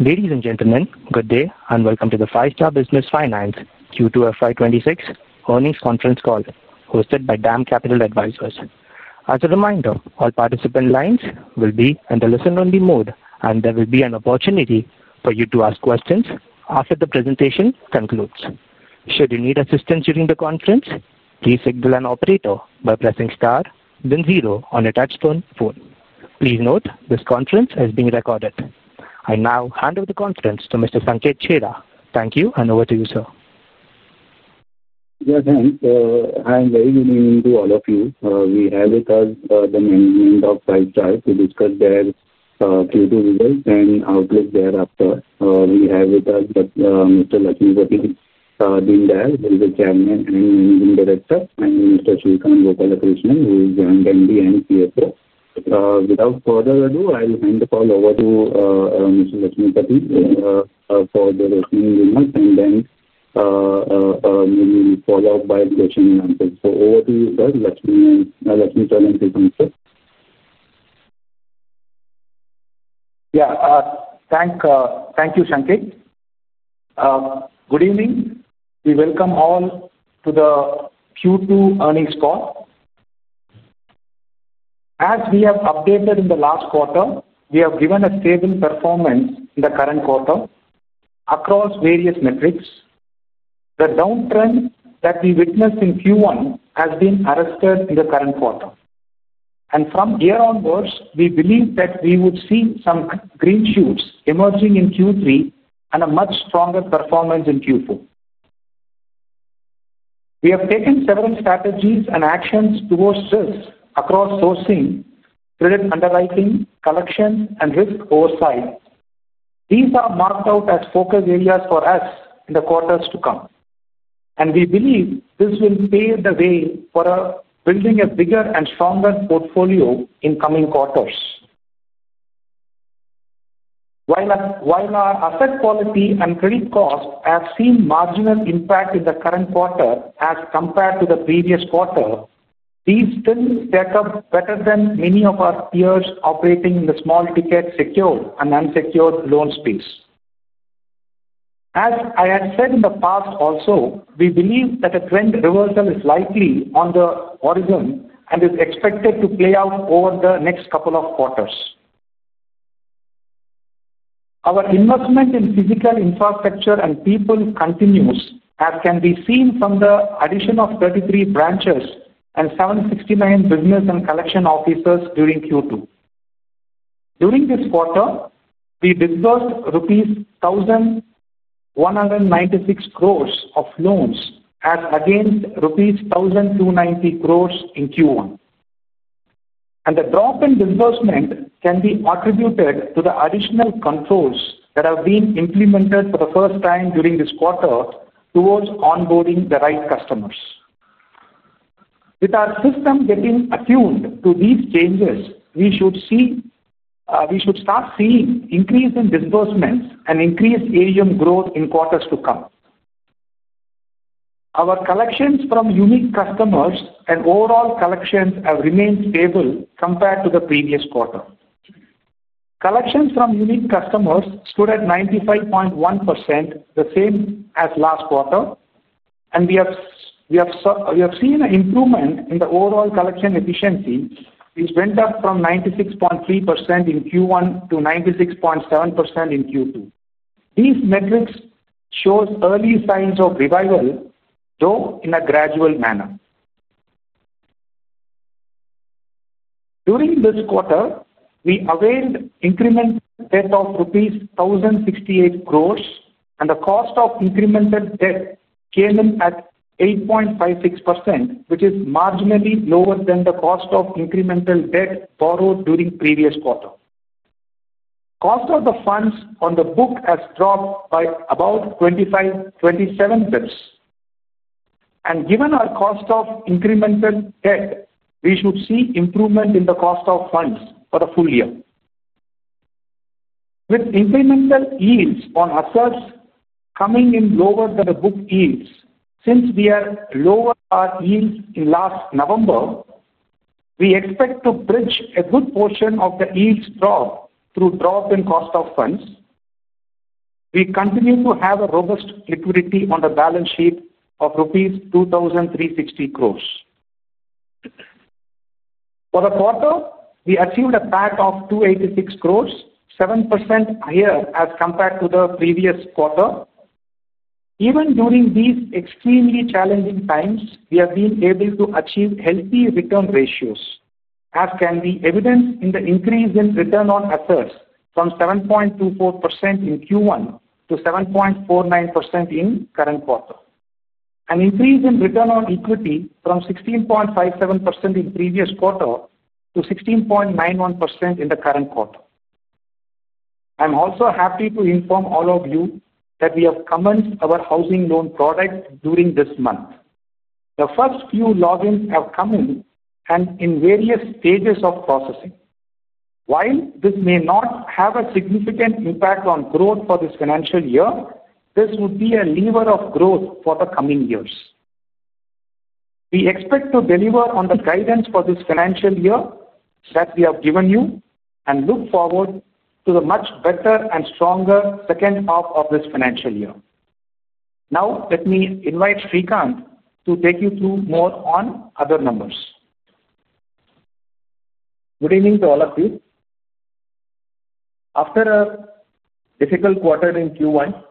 Ladies and gentlemen, good day and welcome to the Five-Star Business Finance Q2 FY 2026 earnings conference call hosted by DAM Capital Advisors. As a reminder, all participant lines will be in the listen-only mode and there will be an opportunity for you to ask questions after the presentation concludes. Should you need assistance during the conference, please signal an operator by pressing Star then zero on a touch-tone phone. Please note this conference is being recorded. I now hand over the conference to Mr. Sanket Chheda. Thank you. Over to you, sir. Yeah, thanks. I am very. Good evening to all of you. We have with us the management of Five-Star Business Finance to discuss their Q2 results and outlook. Thereafter we have with us Mr. Lakshmipathy Deenadayalan, who is the Chairman and Managing Director, and Mr. Srikanth Gopalakrishnan, who is Joint Managing Director and Chief Financial Officer. Without further ado, I'll hand the call over to Mr. Lakshmipathy for the opening remarks and then follow up by question and answers. Over to you, sir. Lakshmipathy. Challenges. Yeah. Thank you. Thank you, Sanket. Good evening. We welcome all to the Q2 earnings call. As we have updated in the last quarter, we have given a stable performance in the current quarter across various metrics. The downtrend that we witnessed in Q1 has been arrested in the current quarter, and from here onwards we believe that we would see some green shoots emerging in Q3 and a much stronger performance in Q4. We have taken several strategies and actions towards this across sourcing, credit underwriting, collection, and risk oversight. These are marked out as focus areas for us in the quarters to come, and we believe this will pave the way for building a bigger and stronger portfolio in coming quarters. While our asset quality and credit cost have seen marginal impact in the current quarter as compared to the previous quarter, these still stack up better than many of our peers operating in the small ticket secured and unsecured loan space. As I had said in the past also, we believe that a trend reversal is likely on the horizon and is expected to play out over the next couple of quarters. Our investment in physical infrastructure and people continues, as can be seen from the addition of 33 branches and 769 business and collection offices during Q2. During this quarter, we disbursed rupees 1,196 crores of loans as against rupees 1,290 crores in Q1. The drop in disbursement can be attributed to the additional controls that have been implemented for the first time during this quarter towards onboarding the right customers. With our system getting attuned to these changes, we should start seeing increase in disbursements and increased AUM growth in quarters to come. Our collections from unique customers and overall collections have remained stable compared to the previous quarter. Collections from unique customers stood at 95.1%, the same as last quarter, and we have seen an improvement in the overall collection efficiency, which went up from 96.3% in Q1 to 96.7% in Q2. These metrics show early signs of revival, though in a gradual manner. During this quarter, we availed incremental debt of rupees 1,068 crore, and the cost of incremental debt came in at 8.56%, which is marginally lower than the cost of incremental debt borrowed during the previous quarter. Cost of the funds on the book has dropped by about 25 bps-27 bps, and given our cost of incremental debt, we should see improvement in the cost of funds for the full year, with incremental yields on HACC coming in lower than the book yields. Since we are lower our yields in last November, we expect to bridge a good portion of the yield drop through drop in cost of funds. We continue to have a robust liquidity on the balance sheet of rupees 2,360 crore. For the quarter, we achieved a PAT of 286 crore, 7% higher as compared to the previous quarter. Even during these extremely challenging times, we have been able to achieve healthy return ratios, as can be evident in the increase in return on assets from 7.24% in Q1 to 7.49% in the current quarter, and an increase in return on equity from 16.57% in the previous quarter to 16.91% in the current quarter. I am also happy to inform all of you that we have commenced our housing loan product during this month. The first few logins have come in and are in various stages of processing. While this may not have a significant impact on growth for this financial year, this would be a lever of growth for the coming years. We expect to deliver on the guidance for this financial year that we have given you and look forward to a much better and stronger second half of this financial year. Now let me invite Srikanth to take you through more on other numbers. Good evening to all of you after a difficult quarter in Q1.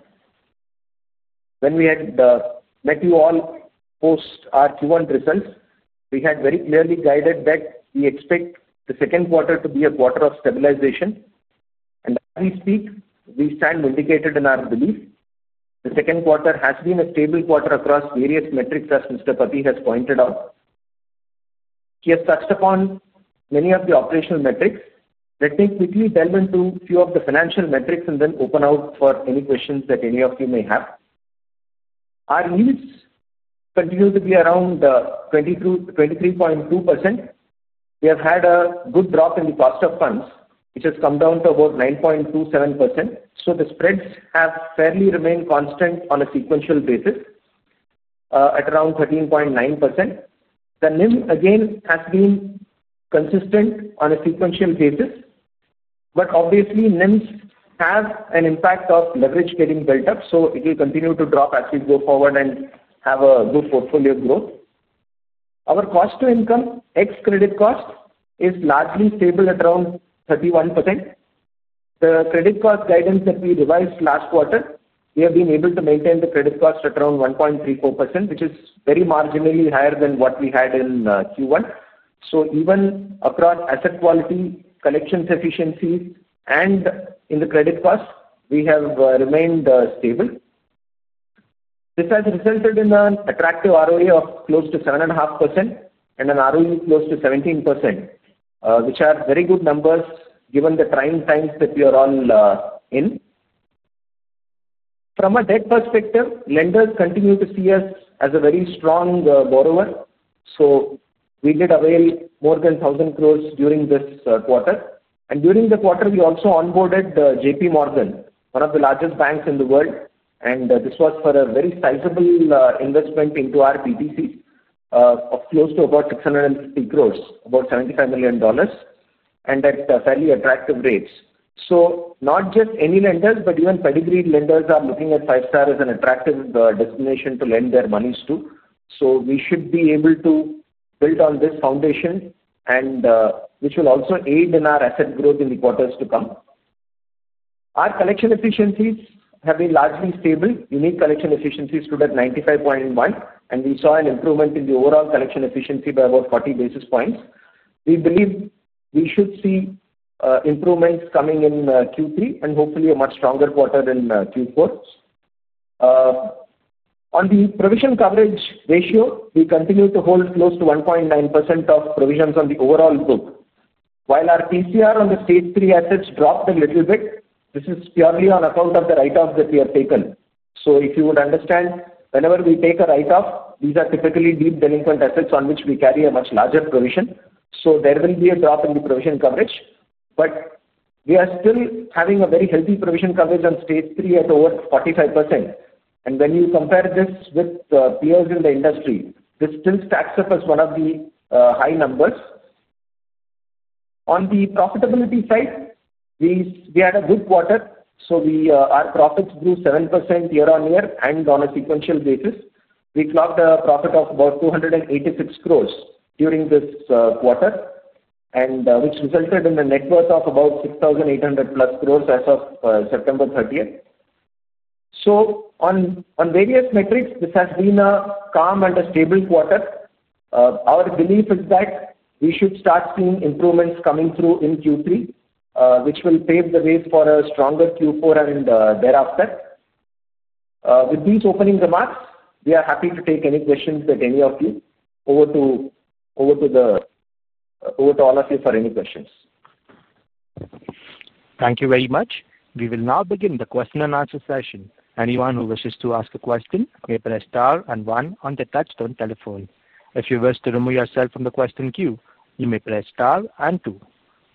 When we had met you all post our Q1 results, we had very clearly guided that we expect the second quarter to be a quarter of stabilization, and as we speak, we stand mitigated in our belief the second quarter has been a stable quarter across various metrics. As Mr. Pathy has pointed out, he has touched upon many of the operational metrics. Let me quickly delve into a few of the financial metrics and then open out for any questions that any of you may have. Our yields continue to be around 20%-23.2%. We have had a good drop in the cost of funds, which has come down to about 9.27%. The spreads have fairly remained constant on a sequential basis at around 13.9%. The NIM again has been consistent on a sequential basis, but obviously NIMs have an impact of leverage getting built up. It will continue to drop as we go forward and have a good portfolio growth. Our cost to income ex credit cost is largely stable at around 31%. The credit cost guidance that we revised last quarter, we have been able to maintain the credit cost at around 1.34%, which is very marginally higher than what we had in Q1. Even across asset quality, collection efficiency, and in the credit cost, we have remained stable. This has resulted in an attractive ROA of close to 7.5% and an ROE close to 17%, which are very good numbers given the trying times that we are all in. From a debt perspective, lenders continue to see us as a very strong borrower. We did avail more than 1,000 crores during this quarter. During the quarter, we also onboarded JPMorgan, one of the largest banks in the world. This was for a very sizable investment into our PTC of close to about 650 crores, about $75 million, and at fairly attractive rates. Not just any lenders, but even pedigree lenders are looking at Five-Star as an attractive destination to lend their monies to. We should be able to build on this foundation, which will also aid in our asset growth in the quarters to come. Our collection efficiencies have been largely stable. Unique collection efficiencies stood at 95.1%, and we saw an improvement in the overall collection efficiency by about 40 basis points. We believe we should see improvements coming in Q3 and hopefully a much stronger quarter in Q4. On the provision coverage ratio, we continue to hold close to 1.9% of provisions on the overall book, while our PCR on the stage three assets dropped a little bit. This is purely on account of the write-off that we have taken. If you would understand, whenever we take a write-off, these are typically deep delinquent assets on which we carry a much larger provision. There will be a drop in the provision coverage, but we are still having a very healthy provision coverage on stage three at over 45%. When you compare this with peers in the industry, this still stacks up as one of the high numbers. On the profitability side, we had a good quarter, so our profits grew 7% year on year. On a sequential basis, we clocked a profit of about 286 crores during this quarter, which resulted in the net worth of about 6,800+ crores as of September 30th. On various metrics, this has been a calm and a stable quarter. Our belief is that we should start seeing improvements coming through in Q3, which will pave the way for a stronger Q4 and thereafter. With these opening remarks, we are happy to take any questions with any of you. Over to all of you for any questions. Thank you very much. We will now begin the question and answer session. Anyone who wishes to ask a question may press star and one on the Touchstone telephone. If you wish to remove yourself from the question queue, you may press star and two.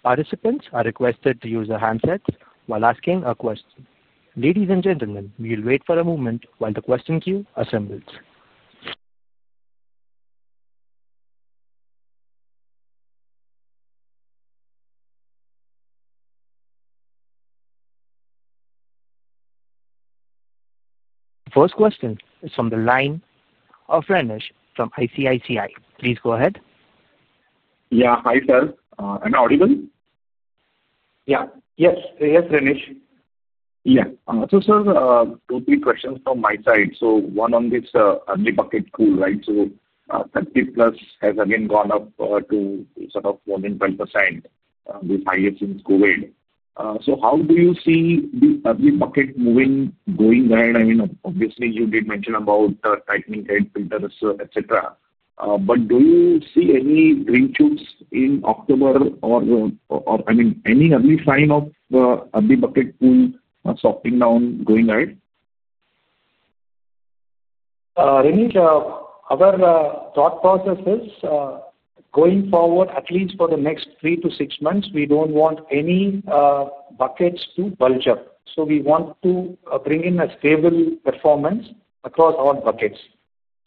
Participants are requested to use their handsets while asking a question. Ladies and gentlemen, we will wait for a moment while the question queue assembles. First question is from the line of Ranesh from ICICI. Please go ahead. Yeah, hi, sir. Am I audible? Yeah. Yes. Yes, Ranesh. Yeah. Sir, two, three questions from my side. One on this early bucket. Right. 30+ has again gone up to more than 12% since COVID. How do you see the bucket moving going ahead? I mean, obviously you did mention about tightening head filters, etc. Do you see any green shoots in October or any early sign of the bucket pool softening down going ahead? Ranesh, our thought process is going forward, at least for the next three to six months. We don't want any buckets to bulge up, we want to bring in a stable performance across all buckets.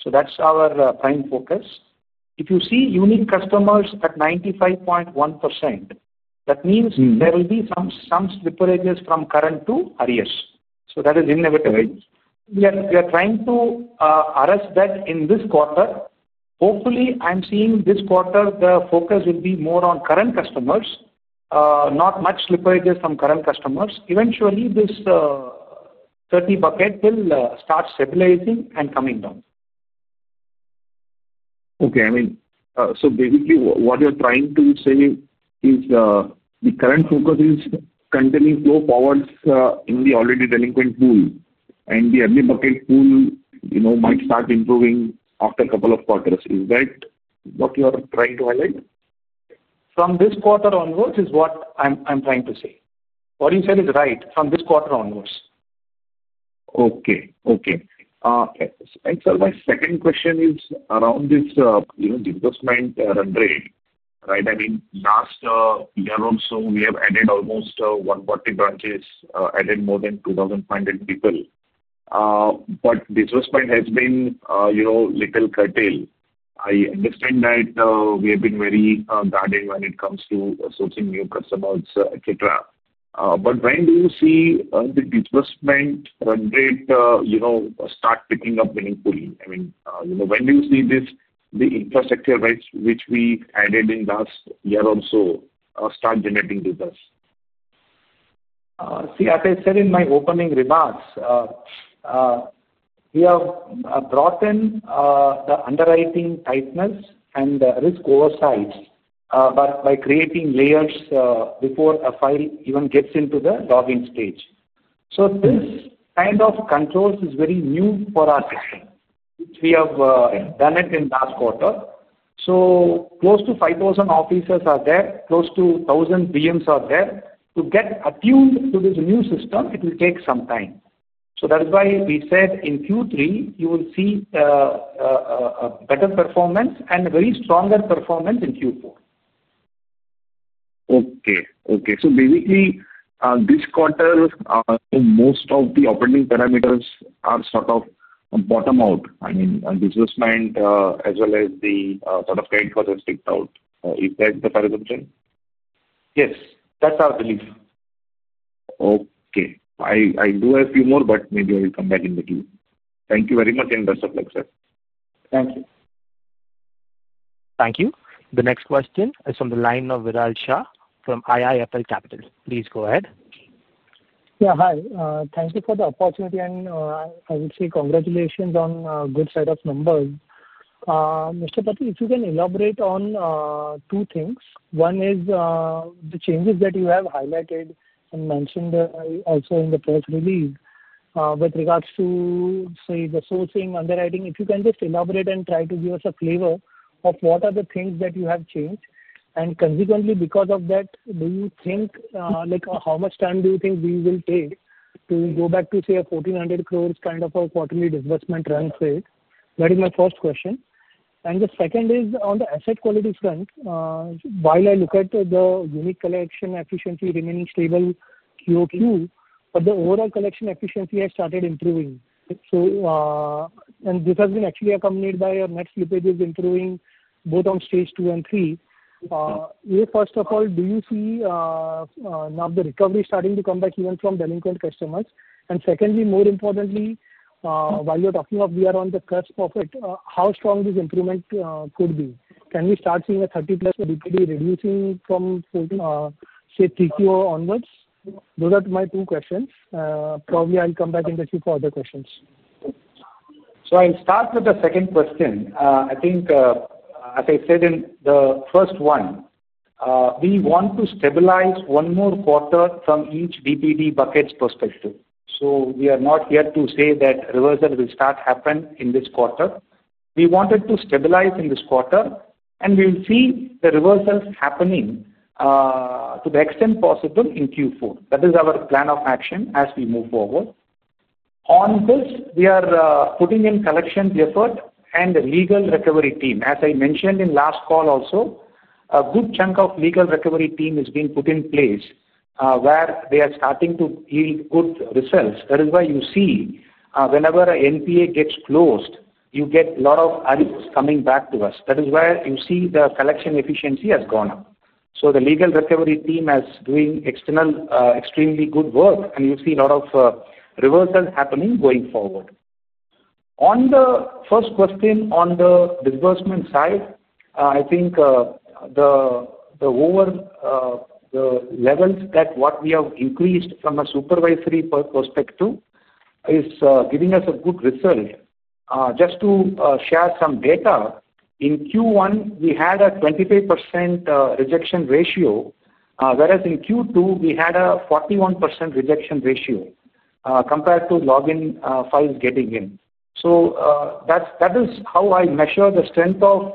That's our prime focus. If you see unique customers at 95.1%, that means there will be some slippages from current to arrears. That is inevitable. We are trying to arrest that in this quarter. Hopefully, I'm seeing this quarter the focus will be more on current customers, not much slippages from current customers. Eventually, this 30 bucket will start stabilizing and coming down. Okay. I mean, so basically what you're trying to say is the current focus is containing flow forwards in the already delinquent pool, and the every bucket pool, you know, might start improving after a couple of quarters. Is that what you are trying to highlight? From this quarter onwards is what I'm trying to say. What you said is right from this quarter onwards. Okay. Okay. My second question is around this disbursement run rate, right? I mean, last year or so we have added almost 140 branches, added more than 2,500 people. Disbursement has been a little curtailed. I understand that we have been very guarded when it comes to sourcing new customers, etc. When do you see the disbursement run rate start picking up meaningfully? When do you see this, the infrastructure which we added in last year or so start generating business? See, as I said in my opening remarks, we have brought in the underwriting tightness and risk oversight by creating layers before a file even gets into the logging stage. This kind of controls is very new for our system which we have done in last quarter. Close to 5,000 offices are there, close to 1,000 VMs are there to get attuned to this new system. It will take some time. That is why we said in Q3 you will see a better performance and a very stronger performance in Q4. Okay. Okay. Basically, this quarter most of the operating parameters are sort of bottomed out, I mean business plan as well as the sort of credit out. Is that the correct observation? Yes, that's our belief. Okay. I do have a few more, but maybe I will come back in the queue. Thank you very much and best of luck, sir. Thank you. Thank you. The next question is from the line of Viral Shah from IIFL Capital. Please go ahead. Yeah. Hi. Thank you for the opportunity and I would say congratulations on good set of numbers. Mr. Pathy, if you can elaborate on two things. One is the changes that you have highlighted and mentioned also in the press release with regards to say the sourcing underwriting. If you can just elaborate and try to give us a flavor of what are the things that you have changed and consequently because of that, do you think like how much time do you think we will take to go back to say a 1,400 crore kind of a quarterly disbursement run rate? That is my first question. The second is on the asset quality front while I look at the unique collection efficiency remaining stable QoQ. The overall collection efficiency has started improving. This has been actually accompanied by our net slippages improving both on stage two and three. First of all, do you see now the recovery starting to come back even from delinquent customers? Secondly, more importantly while you're talking of we are on the cusp of it how strong this improvement could be. Can we start seeing a 30+ DPD reducing from say Q3 onwards? Those are my two questions. Probably I'll come back in the few further questions So I'll start with the second question. I think as I said in the first one we want to stabilize one more quarter from each DPD buckets perspective. We are not here to say that reversal will start happen in this quarter. We wanted to stabilize in this quarter and we will see the reversals happening to the extent possible in Q4. That is our plan of action as we move forward on this. We are putting in collection effort and legal recovery team as I mentioned in last call also a good chunk of legal recovery team is being put in place where they are starting to yield good results. That is why you see whenever a NPA gets closed you get lot of coming back to us. That is where you see the collection efficiency has gone up. The legal recovery team is doing extremely good work and you see a lot of reversal happening going forward. On the first question on the disbursement side I think the over the levels that what we have increased from a supervisory perspective is giving us a good result. Just to share some data, in Q1 we had a 25% rejection ratio whereas in Q2 we had a 41% rejection ratio compared to login files getting in. That is how I measure the strength of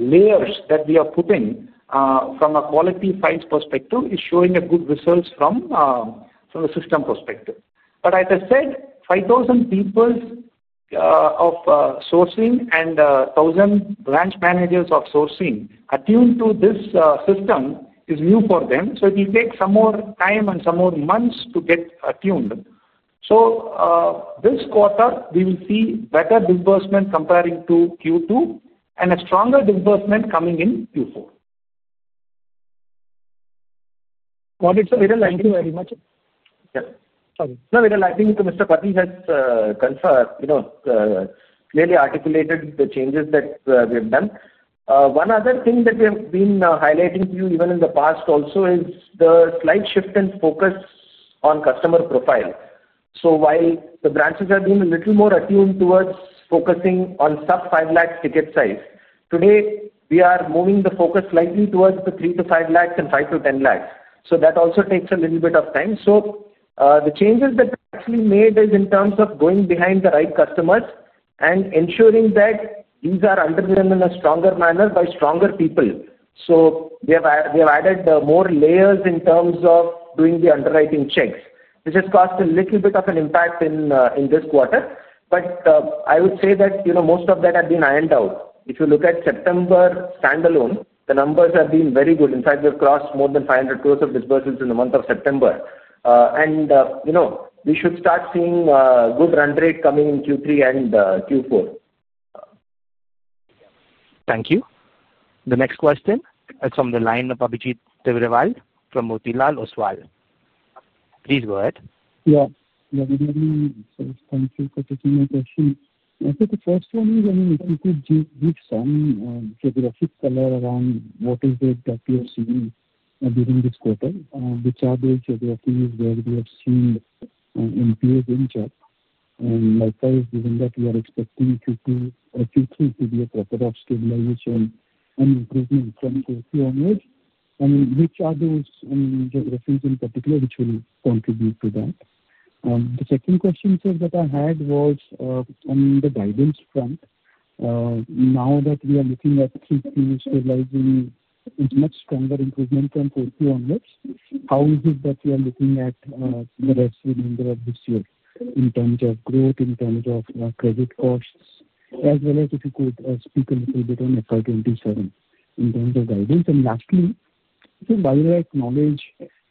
layers that we are putting from a quality files perspective, showing a good result from a system perspective. As I said, 5,000 people of sourcing and 1,000 branch managers of sourcing attuned to this system is new for them. It will take some more time and some more months to get attuned. This quarter we will see better disbursement compared to Q2 and a stronger disbursement coming in Q4. Got it, sir. Viral. Thank you very much, Viral. I think Mr. Pathy has clearly articulated the changes that we have done. One other thing that we have been highlighting to you even in the past also is the slight shift in focus on customer profile. While the branches have been a little more attuned towards focusing on sub 5 lakh ticket size, today we are moving the focus slightly towards the 3 lakh-5 lakh and 5 lakh-1 lakh. That also takes a little bit of time. The changes that actually made is in terms of going behind the right customers and ensuring that these are underwritten in a stronger manner by stronger people. We have added more layers in terms of doing the underwriting checks, which has caused a little bit of an impact in this quarter. I would say that most of that had been ironed out. If you look at September standalone, the numbers have been very good. In fact, we have crossed more than 500 crore of disbursals in the month of September and we should start seeing good run rate coming in Q3 and Q4. Thank you. The next question is from the line of Abhijit Tibrewal from Motilal Oswal. Please go ahead. Yeah, thank you for taking my question. The first one is, I mean if you could give some geographic color around what is it that we are seeing during this quarter, which are those geographies where we have seen in physical and likewise, given that we are expecting Q2 or Q3 to be a proper period of stabilization and improvement from Q3 onwards. I mean which are those in particular which will contribute to that? The second question, sir, that I had was on the guidance front. Now that we are looking at three things, realizing it's much stronger improvement, composure, how is it that we are looking at the rest, remainder of this year in terms of growth, in terms of credit costs, as well as if you could speak a little bit on FY 2027 in terms of guidance. Lastly, the bio acknowledge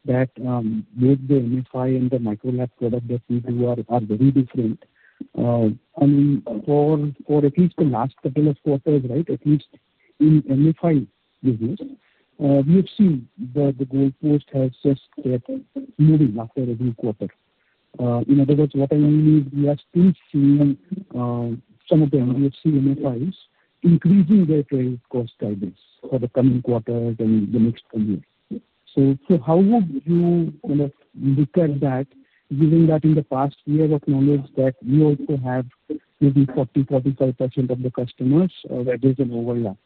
that both the MFI and the micro LAP product that we do are very different. I mean for at least the last couple of quarters, right? At least in MFI business we have seen that the goal post has just kept moving after every quarter. In other words, what I mean is we are still seeing some of the NBFC-MFIs increasing their credit cost guidance for the coming quarters and the next few years. How would you look at that given that in the past we have acknowledged that maybe 40%-45% of the customers, that is an overlap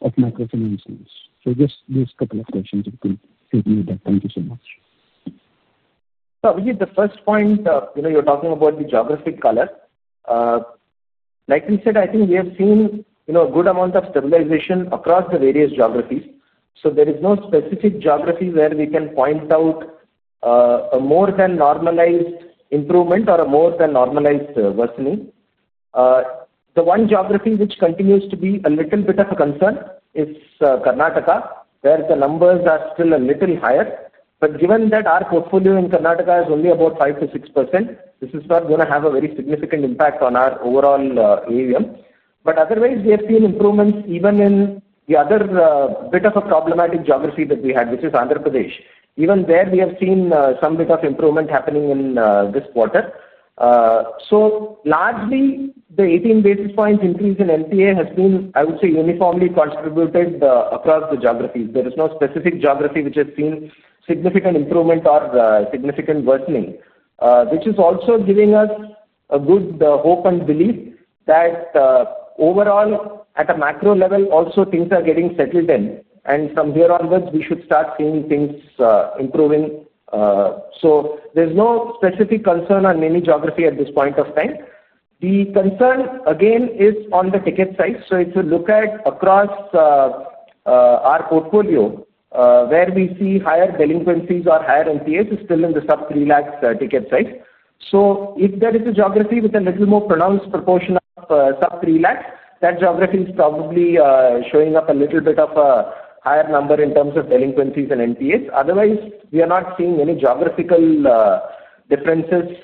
of microfinancing. Just these couple of questions. Thank you so much. The first point, you know you're talking about the geographic color. Like we said, I think we have seen a good amount of stabilization across the various geographies. There is no specific geography where we can point out a more than normalized improvement or a more than normalized worsening. The one geography which continues to be a little bit of a concern is Karnataka, where the numbers are still a little higher. Given that our portfolio in Karnataka is only about 5%-6%, this is not going to have a very significant impact on our overall AUM. Otherwise, we have seen improvements even in the other bit of a problematic geography that we had, which is Andhra Pradesh. Even there we have seen some bit of improvement happening in this quarter. Largely, the 18 basis point increase in NPA has been, I would say, uniformly contributed across the geographies. There is no specific geography which has seen significant improvement or significant worsening, which is also giving us a good hope and belief that overall at a macro level also things are getting settled in, and from here onwards we should start seeing things improving. There is no specific concern on any geography at this point of time. The concern again is on the ticket size. If you look at across our portfolio, we see higher delinquencies or higher NPAs still in the sub 3 lakh ticket size. If there is a geography with a little more pronounced proportion of sub 3 lakh, that geography is probably showing up a little bit of a higher number in terms of delinquencies and NPAs. Otherwise, we are not seeing any geographical differences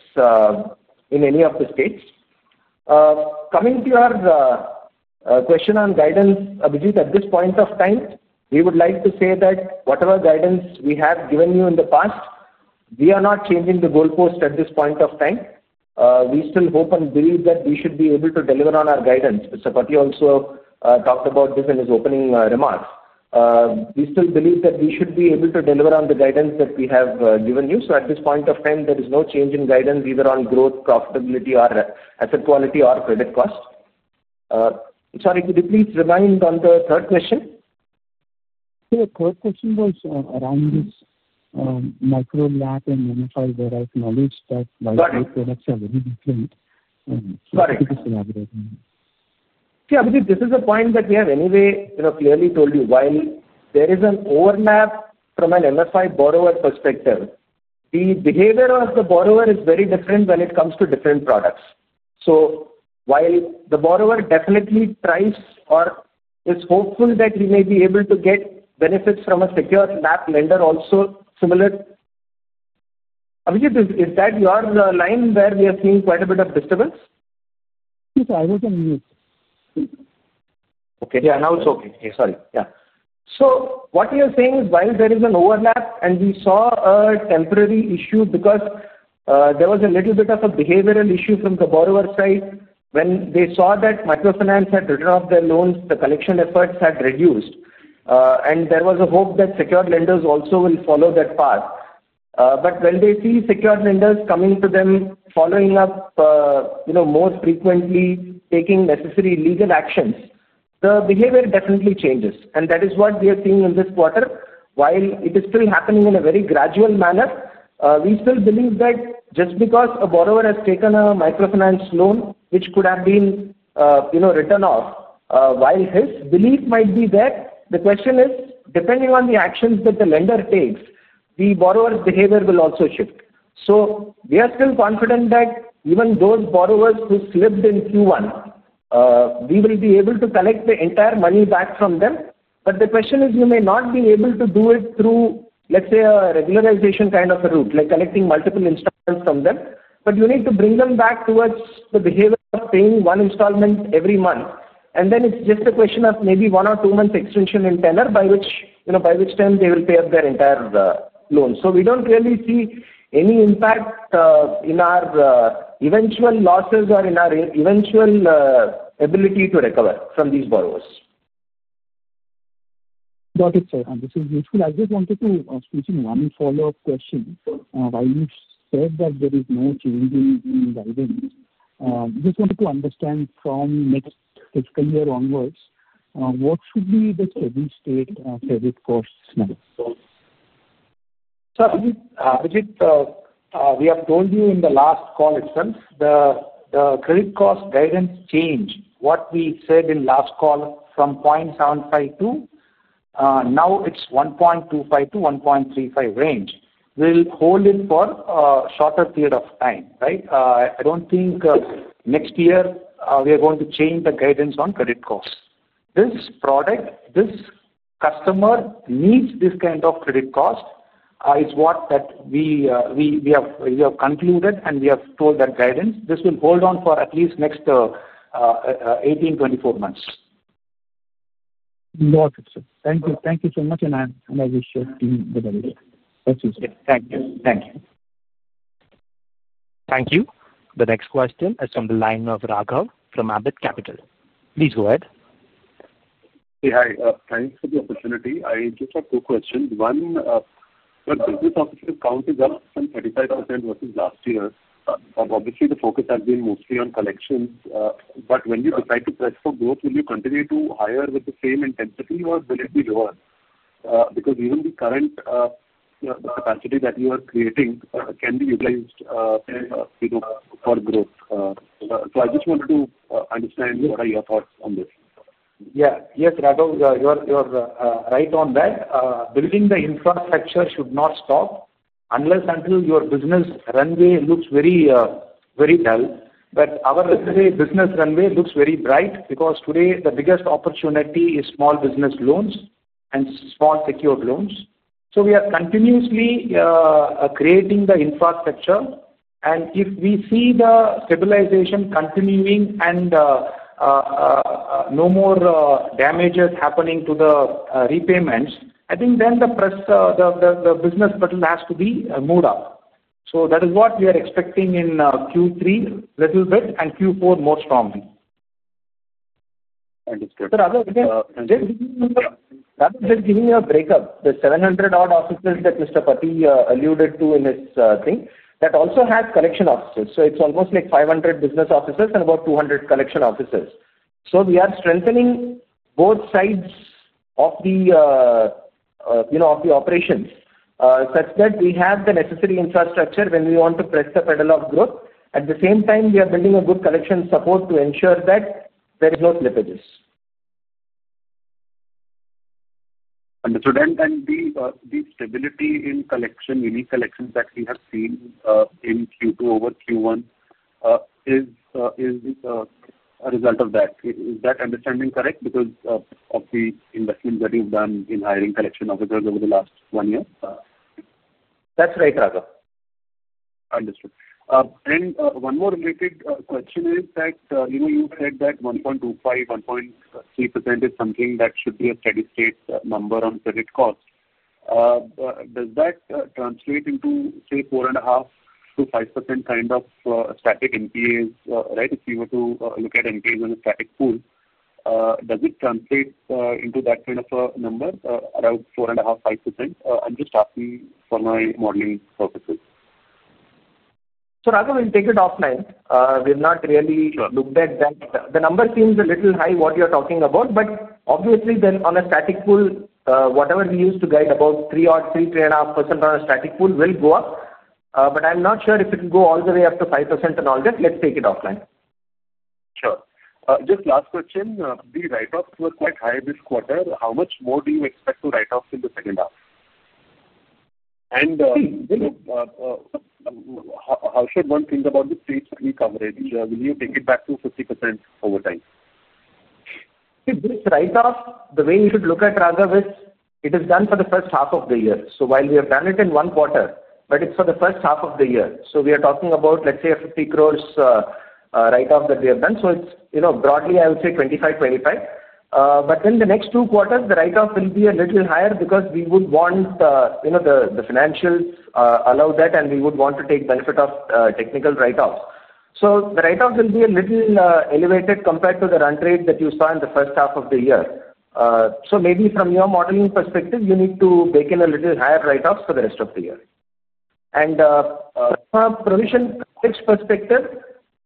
in any of the states. Coming to your question on guidance, Abhijit, at this point of time we would like to say that whatever guidance we have given you in the past, we are not changing the goalpost at this point of time. We still hope and believe that we should be able to deliver on our guidance. Mr. Pathy also talked about this in his opening remarks. We still believe that we should be able to deliver on the guidance that we have given you. At this point of time, there is no change in guidance either on growth, profitability, asset quality, or credit cost. Sorry, could you please remind on the third question? Third question was around this micro LAP and NFI where I acknowledge that. This is a point that we have anyway clearly told you. While there is an overlap from an MFI borrower perspective, the behavior of the borrower is very different when it comes to different products. While the borrower definitely tries or is hopeful that we may be able to get benefits from a secured map lender also similar. Abhijit, is that your line where we are seeing quite a bit of disturbance? Okay, yeah. Now it's okay. Sorry. Yeah. What you're saying is while there is an overlap and we saw a temporary issue because there was a little bit of a behavioral issue from the borrower side when they saw that microfinance had written off their loans, the collection efforts had reduced and there was a hope that secured lenders also will follow that path. When they see secured lenders coming to them, following up more frequently, taking necessary legal actions, the behavior definitely changes and that is what we are seeing in this quarter. While it is still happening in a very gradual manner, we still believe that just because a borrower has taken a microfinance loan which could have been, while his belief might be there, the question is depending on the actions that the lender takes, the borrower's behavior will also shift. We are still confident that even those borrowers who slipped in Q1 we will be able to collect the entire money back from them. The question is, you may not be able to do it through let's say a regularization kind of route like collecting multiple instruments from them. You need to bring them back towards the behavior of paying one installment every month. Then it's just a question of maybe one or two months extension in tenor by which time they will pay up their entire loan. We don't really see any impact in our eventual losses or in our eventual ability to recover from these borrowers. Got it, sir. This is useful. I just wanted to speak in one follow up question. While you said that there is no change in guidance, just wanted to understand from next fiscal year onwards what should be the steady state credit cost. Abhijit, we have told you in the last call itself the credit cost guidance changed what we said in last call from 0.75 to now it's 1.25-1.35 range. We will hold it for a shorter period of time, right? I don't think next year we are going to change the guidance on credit cost. This product, this customer needs, this kind of credit cost is what we have concluded and we have told that guidance this will hold on for at least next 18, 24 months. Thank you. Thank you so much. I wish you. Thank you. Thank you. Thank you. The next question is from the line of Raghav from Ambit Capital. Please go ahead. Hi. Thanks for the opportunity. I just have two questions. One, business officer count is up from 35% versus last year. Obviously, the focus has been mostly on collections. When you decide to press for growth, will you continue to hire with the same intensity or will it be lower? Even the current capacity that you are creating can be utilized for growth. I just wanted to understand what are your thoughts on this? Yeah. Yes, Raghav, you're right on that. Building the infrastructure should not stop unless until your business runway looks very, very dull. Our business runway looks very bright. Today the biggest opportunity is small business loans and small secured loans. We are continuously creating the infrastructure, and if we see the stabilization continuing and no more damages happening to the repayments, I think then the press, the business has to be moved up. That is what we are expecting in Q3 a little bit and Q4 more strongly. Just giving you a breakup, the 700 odd offices that Mr. Pathy alluded to in this thing also has collection offices. It's almost like 500 business offices and about 200 collection offices. We are strengthening both sides of the operations such that we have the necessary infrastructure when we want to press the pedal of growth. At the same time, we are building a good collection support to ensure that there is no slippages. Understood. The stability in unique collections that we have seen in Q2 over Q1 is a result of that. Is that understanding correct? Because of the investment that you've done in hiring collection officers over the last one year? That's right, Raghav. Understood. One more related question is that, you know, you said that 1.25%, 1.3% is something that should be a steady state number on credit cost. Does that translate into, say, 4.5%-5% kind of static NPAs? If you were to look at NPAs in a static pool, does it translate into that kind of a number? Around 4.5%. I'm just asking for my modeling purposes. So Raghav, we'll take it offline. We've not really looked at that. The number seems a little high, what you're talking about. Obviously, then on a static pool, whatever we used to guide about 3% or 3%, 3.5% on a static pool will go up. I'm not sure if it will go all the way up to 5% and all that. Let's take it offline. Sure. Just last question. The write offs were quite high this quarter. How much more do you expect to write off in the second half? How should one think about the stage three coverage? Will you take it back to 50% over time? The way you should look at it, Raghav, is it is done for the first half of the year. While we have done it in one quarter, it's for the first half of the year. We are talking about, let's say, 50 crore write off that we have done. It's broadly, I would say, 25, 25. In the next two quarters, the write off will be a little higher because we would want, the financials allow that, and we would want to take benefit of technical write offs. The write offs will be a little elevated compared to the run rate that you saw in the first half of the year. Maybe from your modeling perspective, you need to bake in a little higher write offs for the rest of the year. From a provision perspective,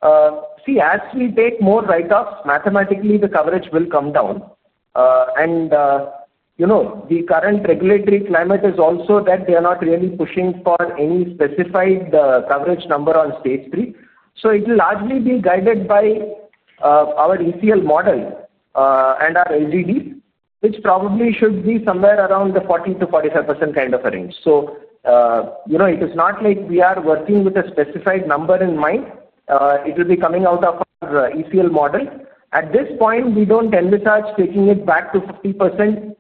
as we take more write offs, mathematically the coverage will come down. The current regulatory climate is also that they are not really pushing for any specified coverage number on stage three. It will largely be guided by our ECL model and our LGD, which probably should be somewhere around the 40%-45% kind of a range. It is not like we are working with a specified number in mind. It will be coming out of the ECL model at this point. We don't envisage taking it back to 50%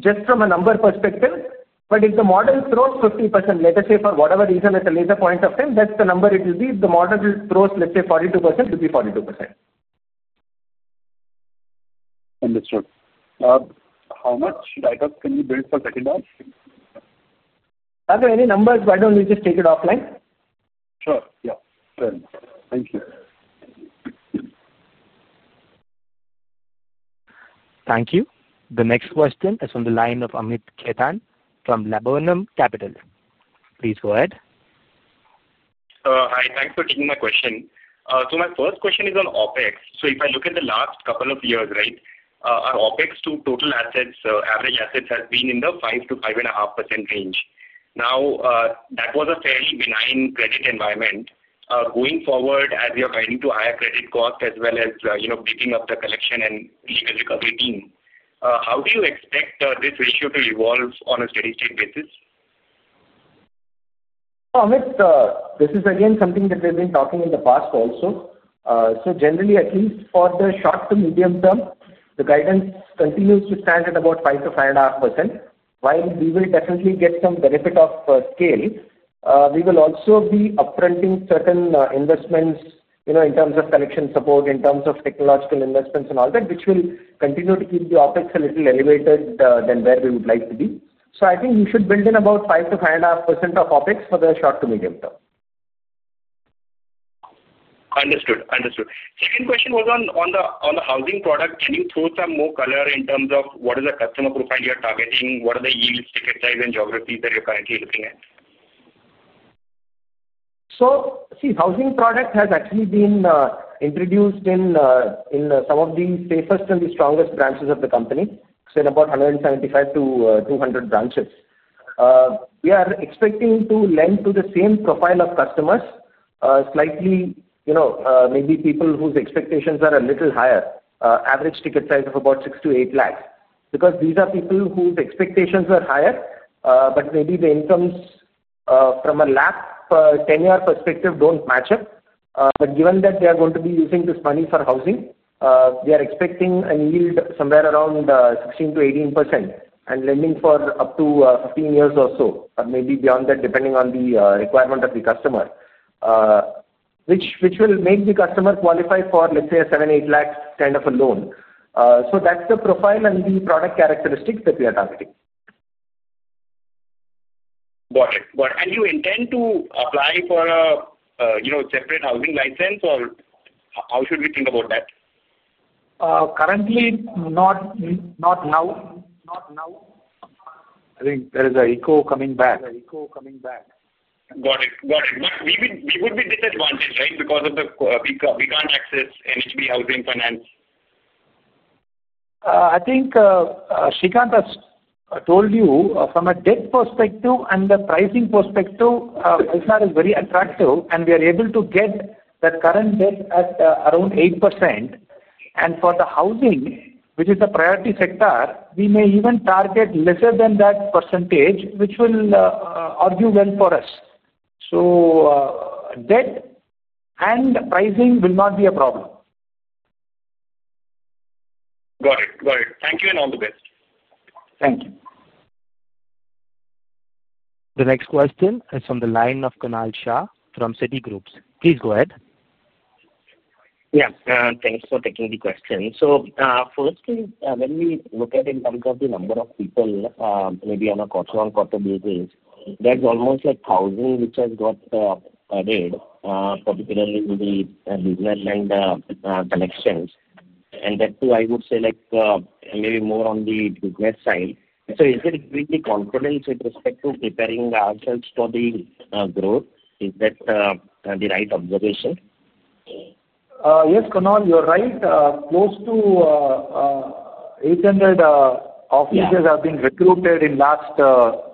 just from a number perspective. If the model throws 50%, let us say for whatever reason at a later point of time, that's the number it will be. If the model throws, let's say, 42%, it will be 42%. Understood. How much [DYTO] can you build for [secondary]? Are there any numbers? Why don't we just take it offline? Sure. Yeah. Thank you. Thank you. The next question is on the line of Amit Khetan from Laburnum Capital. Please go ahead. Hi, thanks for taking my question. My first question is on OpEx. If I look at the last couple of years, our OpEx to total assets, average assets, has been in the 5%-5.5% range. That was a fairly benign credit environment. Going forward, as you're guiding to higher credit cost as well as beefing up the collection and legal recovery team, how do you expect this issue to evolve on a steady state basis? Amit, this is again something that we've been talking in the past also. Generally, at least for the short to medium term, the guidance continues to stand at about 5%-5.5%. While we will definitely get some benefit of scale, we will also be upfronting certain investments in terms of collection support, in terms of technological investments and all that, which will continue to keep the OpEx a little elevated than where we would like to be. I think we should build in about 5%-5.5% of OpEx for the short to medium term. Understood, understood. Second question was on the housing loan product. Can you throw some more color in terms of what is the customer profile you're targeting? What are the yields, ticket size, and geography that you're currently looking at? The housing loan product has actually been introduced in some of the safest and the strongest branches of the company, about 175-200 branches. We are expecting to lend to the same profile of customers, slightly maybe people whose expectations are a little higher. Average ticket size of about 6 lakh-8 lakh, because these are people whose expectations are higher, but maybe the incomes from a LAP 10-year perspective don't match up. Given that they are going to be using this money for housing, we are expecting a yield somewhere around 16%-18% and lending for up to 15 years or so, or maybe beyond that depending on the requirement of the customer, which will make the customer qualify for, let's say, a 7 lakh, 8 lakh kind of a loan. That's the profile and the product characteristics that we are targeting. Got it. You intend to apply for a separate housing license or how should we think about that? Currently? Not now. Not now. I think there is an echo coming back. Got it, got it. We would be disadvantaged, right, because of the—we can't access NHB Housing Finance. I think Srikanth has told you from a debt perspective and the pricing perspective is very attractive. We are able to get the current debt at around 8%. For the housing, which is the priority sector, we may even target lesser than that percentage, which will augur well for us. Debt and pricing will not be a problem. Got it. Thank you and all the best. Thank you. The next question is from the line of Kunal Shah from Citigroup. Please go ahead. Yeah, thanks for taking the question. Firstly, when we look at in terms of the number of people, maybe on a quarter-on-quarter basis, there's almost like housing which has got particularly the business and collections, and that too I would say maybe more on the business side. Is it really confidence with respect to preparing ourselves for the growth? Is that the right observation? Yes, Kunal, you're right. Close to 800 officers have been recruited in the last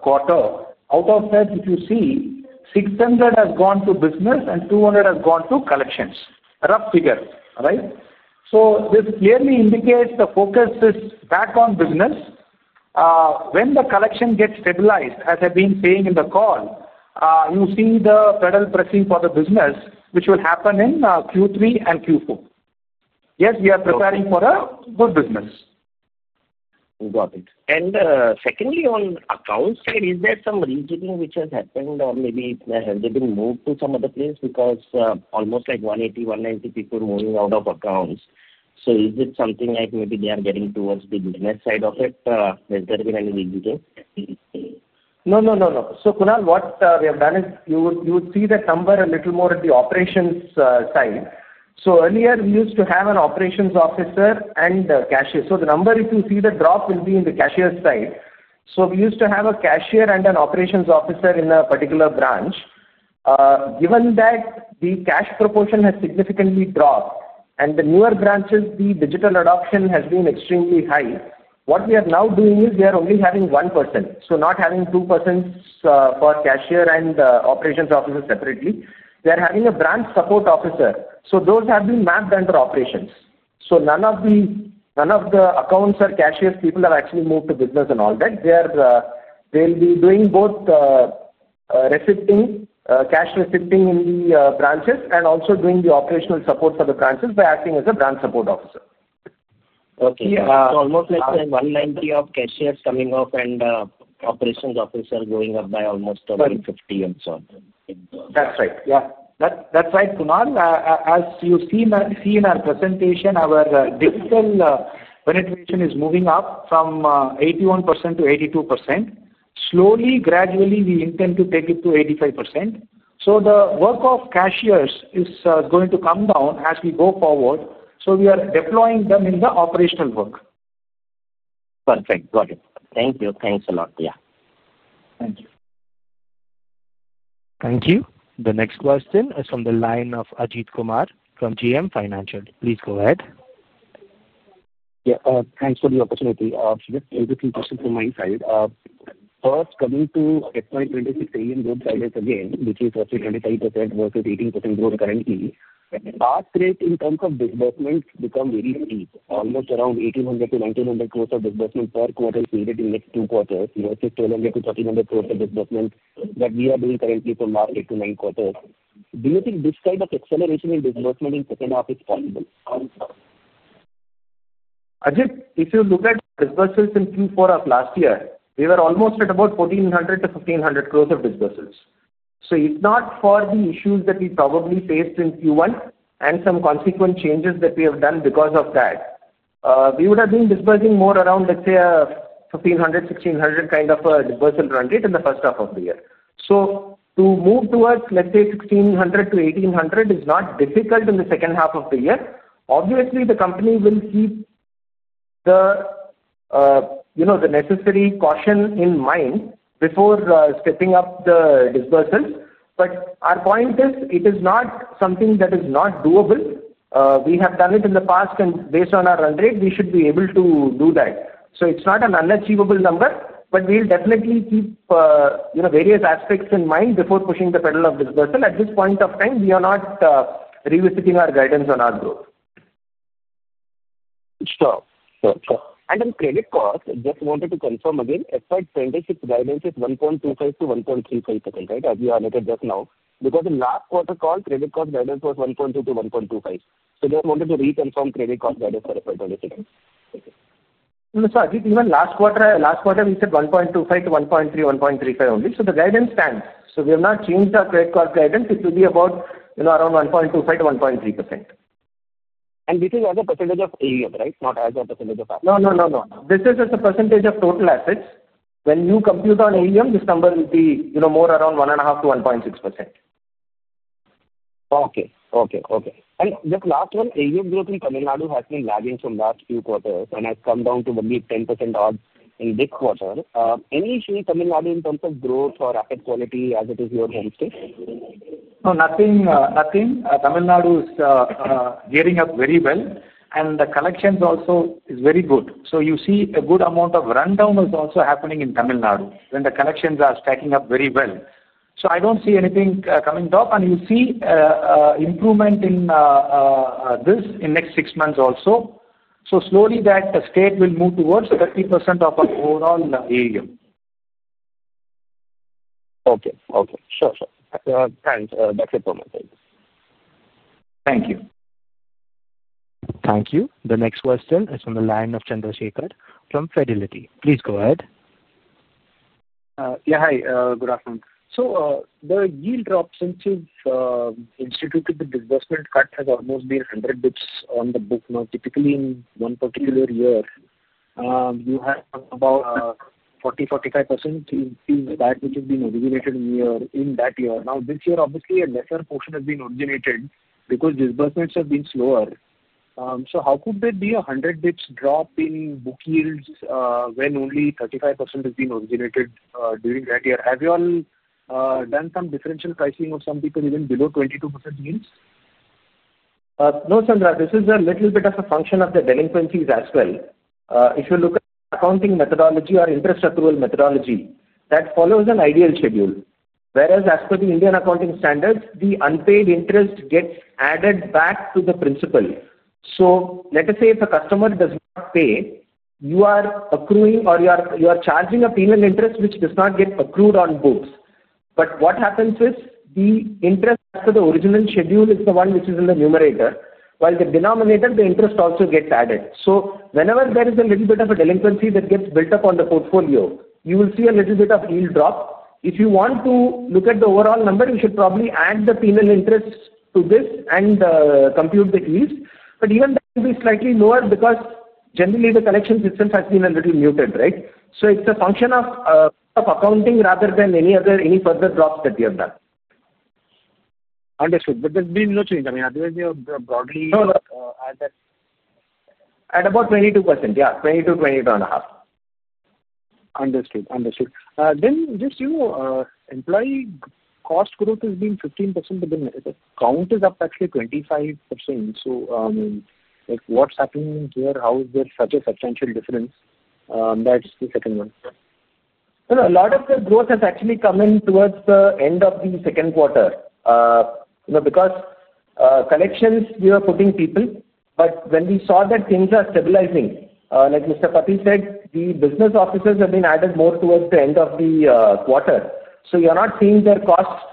quarter. Out of that, if you see, 600 has gone to business and 200 has gone to collections. Rough figures. This clearly indicates the focus is back on business when the collection gets stabilized. As I've been saying in the call, you see the pedal pressing for the business which will happen in Q3 and Q4. Yes, we are preparing for a good business. Got it. Secondly, on the account side, is there some retailing which has happened or maybe have they been moved to some other place? Because almost like 180, 190 people moving out of accounts. Is it something like maybe they are getting towards the business side of it? Has there been anything— No, no, no, no. Kunal, what we have done is you would see that number a little more at the operations side. Earlier, we used to have an operations officer and cashier. If you see, the drop will be in the cashier side. We used to have a cashier and an operations officer in a particular bank branch. Given that the cash proportion has significantly dropped and the newer branches, the digital adoption has been extremely high. What we are now doing is we are only having 1 person, so not having 2 persons for cashier and operations officers separately, they are having a branch support officer. Those have been mapped under operations. None of the accounts or cashiers people have actually moved to business and all that. They'll be doing both cash receipting in the branches and also doing the operational support for the branches by acting as a branch support officer. Okay. Almost like 190 of cashiers coming off and operations officers are going up by almost 50 and so on. That's right. Yeah, that's right, Kunal. As you see in our presentation, our penetration is moving up from 81% to 82%. Slowly, gradually, we intend to take it to 85%. The work of cashiers is going to come down as we go forward, so we are deploying them in the operational work. Perfect. Got it. Thank you. Thanks a lot. Thank you. The next question is from the line of Ajit Kumar from GM Financial. Please go ahead. Yeah, thanks for the opportunity. Question from my side. First, coming to FY 2026 again, which is roughly 25% versus 18% growth currently, our rate in terms of disbursement becomes very steep. Almost around 1,800 crores-1,900 crores of disbursement per quarter period. In next two quarters, it is 1,200 crores-1,300 crores of disbursement that we are doing currently from March, eight to nine quarter. Do you think this kind of acceleration in disbursement in second half is possible? Ajit, if you look at disbursals in Q4 of last year, we were almost at about 1,400 crores-1,500 crores of disbursals. If not for the issues that we probably faced in Q1 and some consequent changes that we have done because of that, we would have been disbursing more around, let's say, 1,500 crores, 1,600 crores kind of disbursal run rate in the first half of the year. To move towards, let's say, 1,600 crores-1,800 crores is not difficult in the second half of the year. Obviously, the company will keep the necessary caution in mind before stepping up the disbursals. Our point is it is not something that is not doable. We have done it in the past and based on our run rate, we should be able to do that. It's not an unachievable number, but we'll definitely keep various aspects in mind before pushing the pedal of disbursement. At this point of time, we are not revisiting our guidance on our growth. Sure. On credit cost, just wanted to confirm again, FY 2026 guidance is 1.25% to 1.35% as you allocated just now. In last quarter call, credit cost guidance was 1.2%-1.25%. They wanted to reconfirm credit cost. Even last quarter. Last quarter we said 1.25%-1.3%, 1.35% only. The guidance stands. We have not changed our credit cost guidance. It will be about, you know, around 1.25%-1.3%. This is as a percentage of AUM, right? Not as a percentage of assets? No, no, no, no. This is as a percentage of total assets. When you compute on AUM, this number will be, you know, more around 1.5%-1.6%. Okay, okay. Okay. Just last one has been lagging from last few quarters and has come down to the mid 10% odds in this quarter. Any issue, Tamil Nadu, in terms of growth or asset quality as it is your home state? No, nothing, nothing. Tamil Nadu is gearing up very well and the collections also is very good. You see a good amount of rundown is also happening in Tamil Nadu when the collections are stacking up very well. I don't see anything coming up. You see improvement in this in next six months also. Slowly that state will move towards 30% of overall AUM. Okay. Okay. Sure. Thanks. Thank you. Thank you. The next question is from the line of Chandrasekhar from Fidelity. Please go ahead. Yeah. Hi, good afternoon. The yield drop since you've instituted the disbursement cut has almost been 100 bps on the book. Typically, in one particular year you have about 40%-45% that has been originated in that year. This year, obviously a lesser portion has been originated because disbursements have been slow. How could there be a 100 bps drop in book yields when only 35% has been originated during that year? Have you all done some differential pricing of some people even below 22% yields? No, Chandra, this is a little bit of a function of the delinquencies as well. If you look at accounting methodology or interest accrual methodology, that follows an ideal schedule. As per the Indian accounting standards, the unpaid interest gets added back to the principal. Let us say if a customer does not pay, you are accruing or you are charging a penal interest which does not get accrued on books. What happens is the interest as per the original schedule is the one which is in the numerator while the denominator, the interest also gets added. Whenever there is a little bit of a delinquency that gets built up on the portfolio, you will see a little bit of yield drop. If you want to look at the overall number, you should probably add the penal interest to this and compute the yields. Even that will be slightly lower because generally the collection system has been a little muted. It is a function of accounting rather than any other. Any further drops that we have done? Understood. There has been no change. I mean, are they broadly? At about 22%? Yeah, 20%-22.5%. Understood, understood. Employee cost growth has been 15%. The count is up actually 25%. What is happening here? How is there such a substantial difference? That is the second one. A lot of the growth has actually come in towards the end of the second quarter because collections, we are putting people. When we saw that things are stabilizing, like Mr. Pathy said, the business offices have been added more towards the end of the quarter. You are not seeing their cost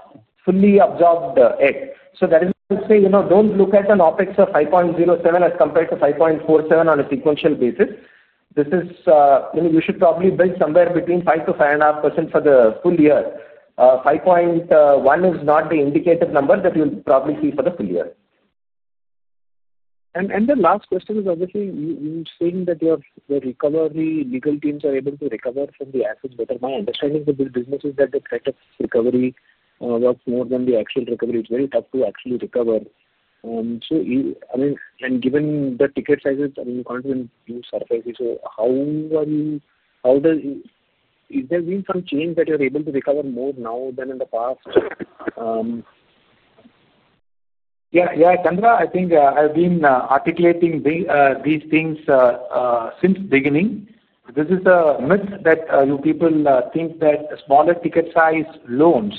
fully absorbed yet. That is to say, do not look at an OpEx of 5.07% as compared to 5.47% on a sequential basis. You should probably build somewhere between 5%-5.5% for the full year. 5.1% is not the indicated number that you will probably see for the full year. The last question is obviously you saying that your recovery legal teams are able to recover from the assets better. My understanding for this business is that the threat of recovery works more than the actual recovery. It's very tough to actually recover. I mean, and given the ticket sizes, you can't even use SARFAESI. How are you, how does. Has there been some change that you're able to recover more now than in the past? Yes, Chandra, I think I've been articulating these things since the beginning. This is the myth that you people think that smaller ticket size loans,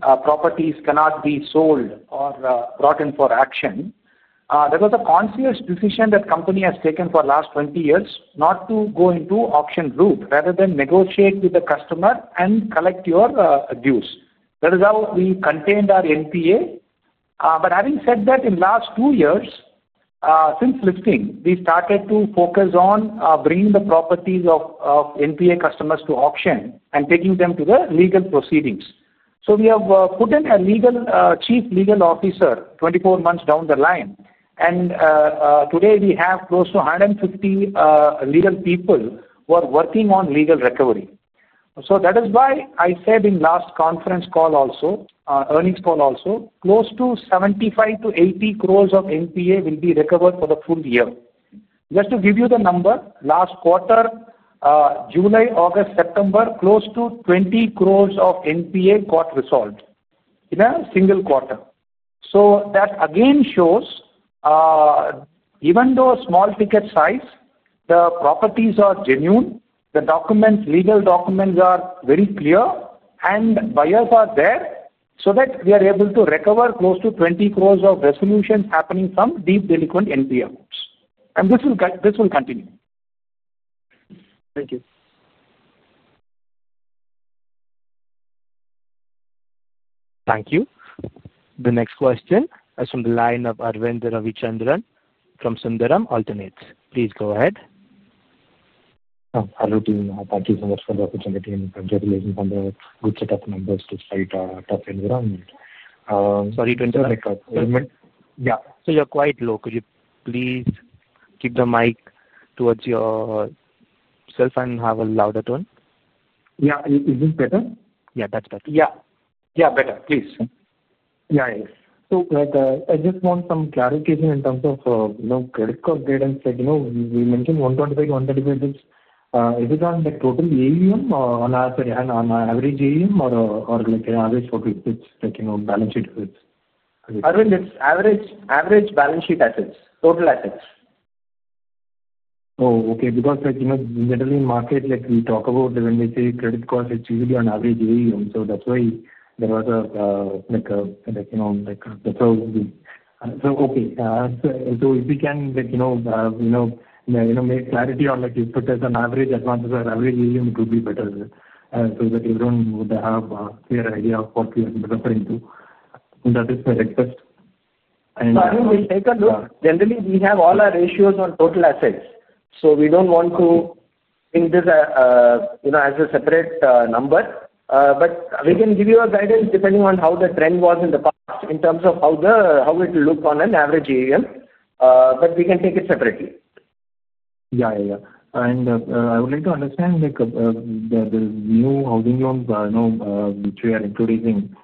properties cannot be sold or brought in for action. There was a conscious decision that the company has taken for the last 20 years not to go into the auction route, rather to negotiate with the customer and collect your dues. That is how we contained our NPA. Having said that, in the last two years since listing, we started to focus on bringing the properties of NPA customers to auction and taking them to the legal proceedings. We have put in a Chief Legal Officer 24 months down the line and today we have close to 150 legal people who are working on legal recovery. That is why I said in the last conference call, also earnings call, close to 75 crores-80 crores of NPA will be recovered for the full year. Just to give you the number, last quarter, July, August, September, close to 20 crores of NPA got resolved in a single quarter. That again shows even though a small ticket size, the properties are genuine, the legal documents are very clear and buyers are there. We are able to recover close to 20 crores of resolutions happening from these delinquent NPA accounts. This will continue. Thank you. Thank you. The next question is from the line of Aravind Ravichandran from Sundaram Alternates. Please go ahead. Hello team, thank you so much for the opportunity and congratulations on the good set of numbers despite tough environment. Sorry to interject. You're quite low. Could you please keep the mic towards your cell phone, have a louder tone? Is this better? Yeah, that's better. Yeah, better please. Yeah. I just want some clarification in terms of, you know, credit cost grade and said, you know, we mentioned 125, 135. Is it on the total AUM or average or like an average, like, you know, balance sheet? It's average. Average balance sheet, assets. Total assets. Oh, okay. Because, like, you know, generally in market, like, we talk about when we say credit cost, it's usually on average. That's why there was a, like, you know, like. If we can, like, you know, make clarity on, like, if it is an average advantage or average, it would be better so that everyone would have a clear idea of what we are referring to. That is my request. We'll take a look. Generally, we have all our ratios on total assets. We don't want to think this, you know, as a separate number. We can give you a guidance depending on how the trend was in the past in terms of how it will look on an average AUM. We can take it separately. Yeah. I would like to understand, like, the new housing loan product we are introducing.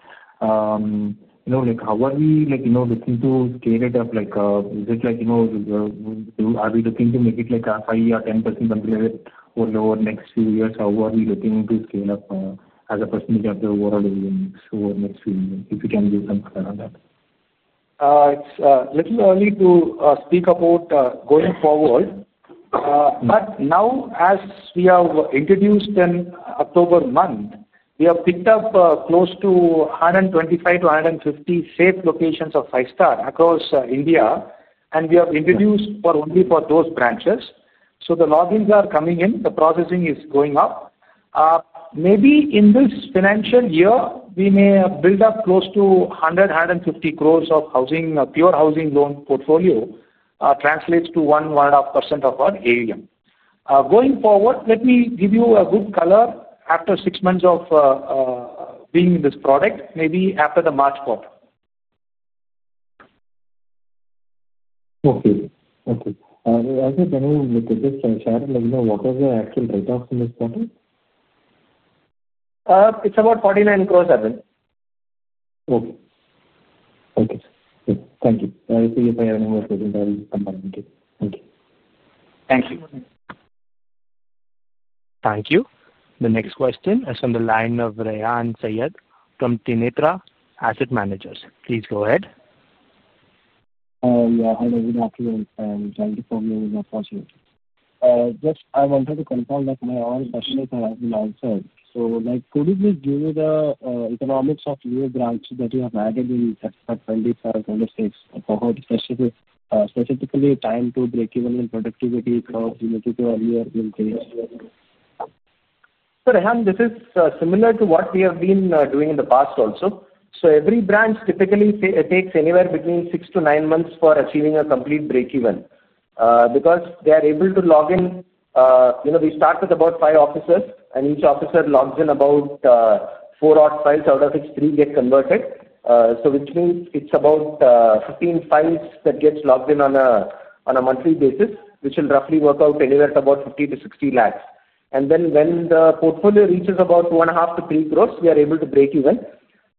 You know, like, how are we, like, you know, looking to scale it up? Like, is it, like, you know, are we looking to make it, like, a 5% or 10% or lower next few years? How are we looking to scale up as a percentage of the overall next few? If you can give some color on that. It's a little early to speak about going forward. Now, as we have introduced in October month, we have picked up close to 125-150 safe locations of Five-Star across India, and we have introduced only for those branches. The logins are coming in, the processing is going up. Maybe in this financial year, we may build up close to 100 crores-150 crores of pure housing loan portfolio, translates to 1%-1.5% of our AUM going forward. Let me give you a good color after six months of being in this product. Maybe after the March quarter. Okay. Okay. Can you look at this? What are the actual write-offs in this quarter? It's about 49 crores. Okay. Okay. Thank you. Thank you. Thank you. The next question is on the line of Rehan Saiyyed from Tinetra Asset Managers. Please go ahead. Just I wanted to confirm that my all questions have been answered. Could you please give me the economics of new branches that you have added in, specifically time to breakeven in productivity? This is similar to what we have been doing in the past also. Every branch typically takes anywhere between six to nine months for achieving a complete breakeven because they are able to log in. They start with about five officers and each officer logs in about four odd files out of which three get converted, which means it's about 15 files that get logged in on a monthly basis, which will roughly work out anywhere at about 5 lakh-INR6 lakh. When the portfolio reaches about 2.5 crores-3 crores, we are able to break even.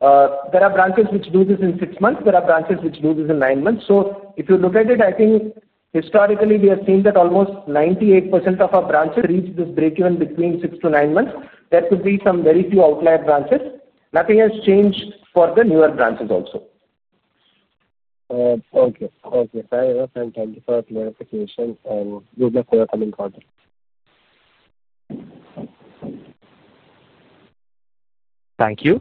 There are branches which do this in six months. There are branches which do this in nine months. If you look at it, I think historically we have seen that almost 98% of our branches reach this breakeven between six to nine months. There could be some very few outlier branches. Nothing has changed for the newer branches also. Okay. Thank you for clarification and good luck for your coming quarter. Thank you.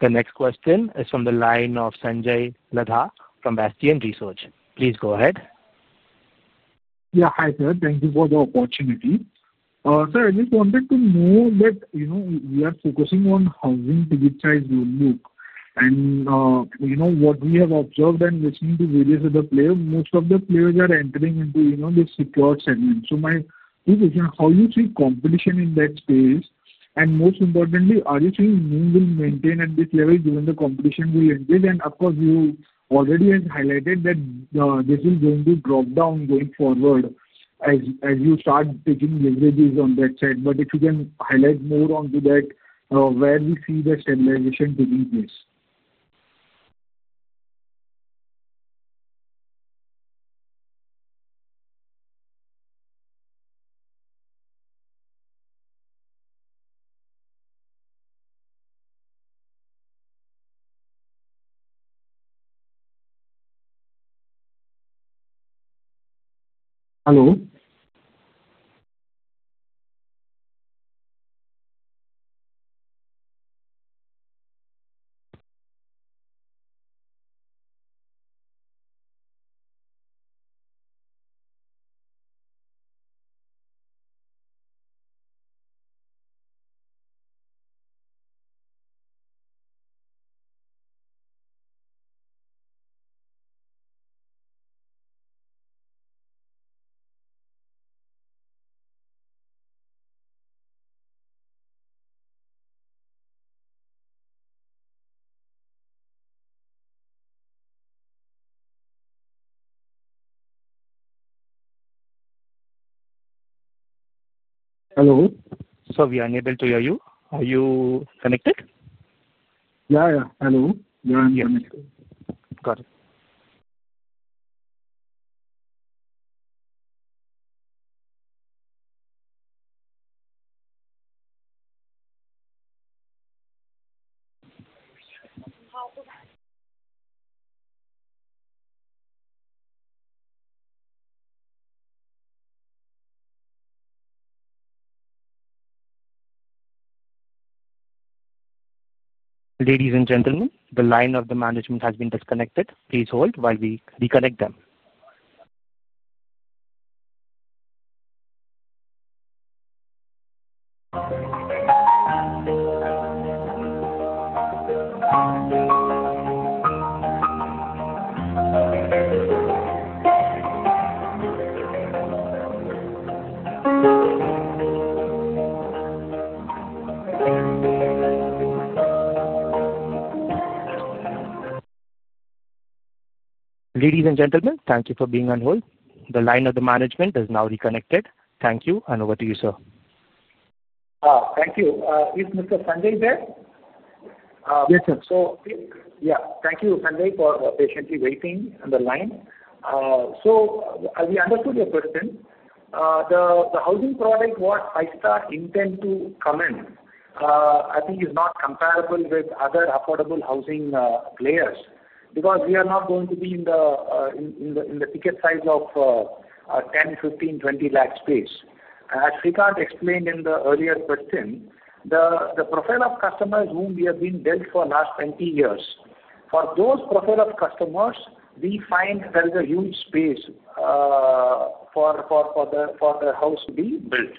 The next question is from the line of Sanjay Ladha from Bastion Research. Please go ahead. Yeah. Hi sir. Thank you for the opportunity. I just wanted to know that, you know, we are focusing on housing ticket size and, you know, what we have observed and listening to various other players, most of the players are entering into, you know, the secured segment. My question, how you see competition in that space and most importantly, are you seeing will maintain at this level given the competition which, of course, you already highlighted that this is going to drop down going forward as you start taking leverages on that side. If you can highlight more onto that, where we see the stabilization taking place. Hello. Hello. We are unable to hear you. Are you connected? Yeah, yeah. Hello. Ladies and gentlemen, the line of the management has been disconnected. Please hold while we reconnect them. Ladies and gentlemen, thank you for being on hold. The line of the management is now reconnected. Thank you. Over to you, sir. Thank you. Is Mr. Sanjay there? Yes, sir. Thank you, Sanjay, for patiently waiting on the line. We understood your question. The housing loan product that Five-Star intends to commence, I think, is not comparable with other affordable housing players because we are not going to be in the ticket size of 10 lakhs, 15 lakhs, 20 lakhs space. As Srikanth explained in the earlier question, the profile of customers whom we have been built for the last 20 years, for those profile of customers we find there is a huge space for the house to be built.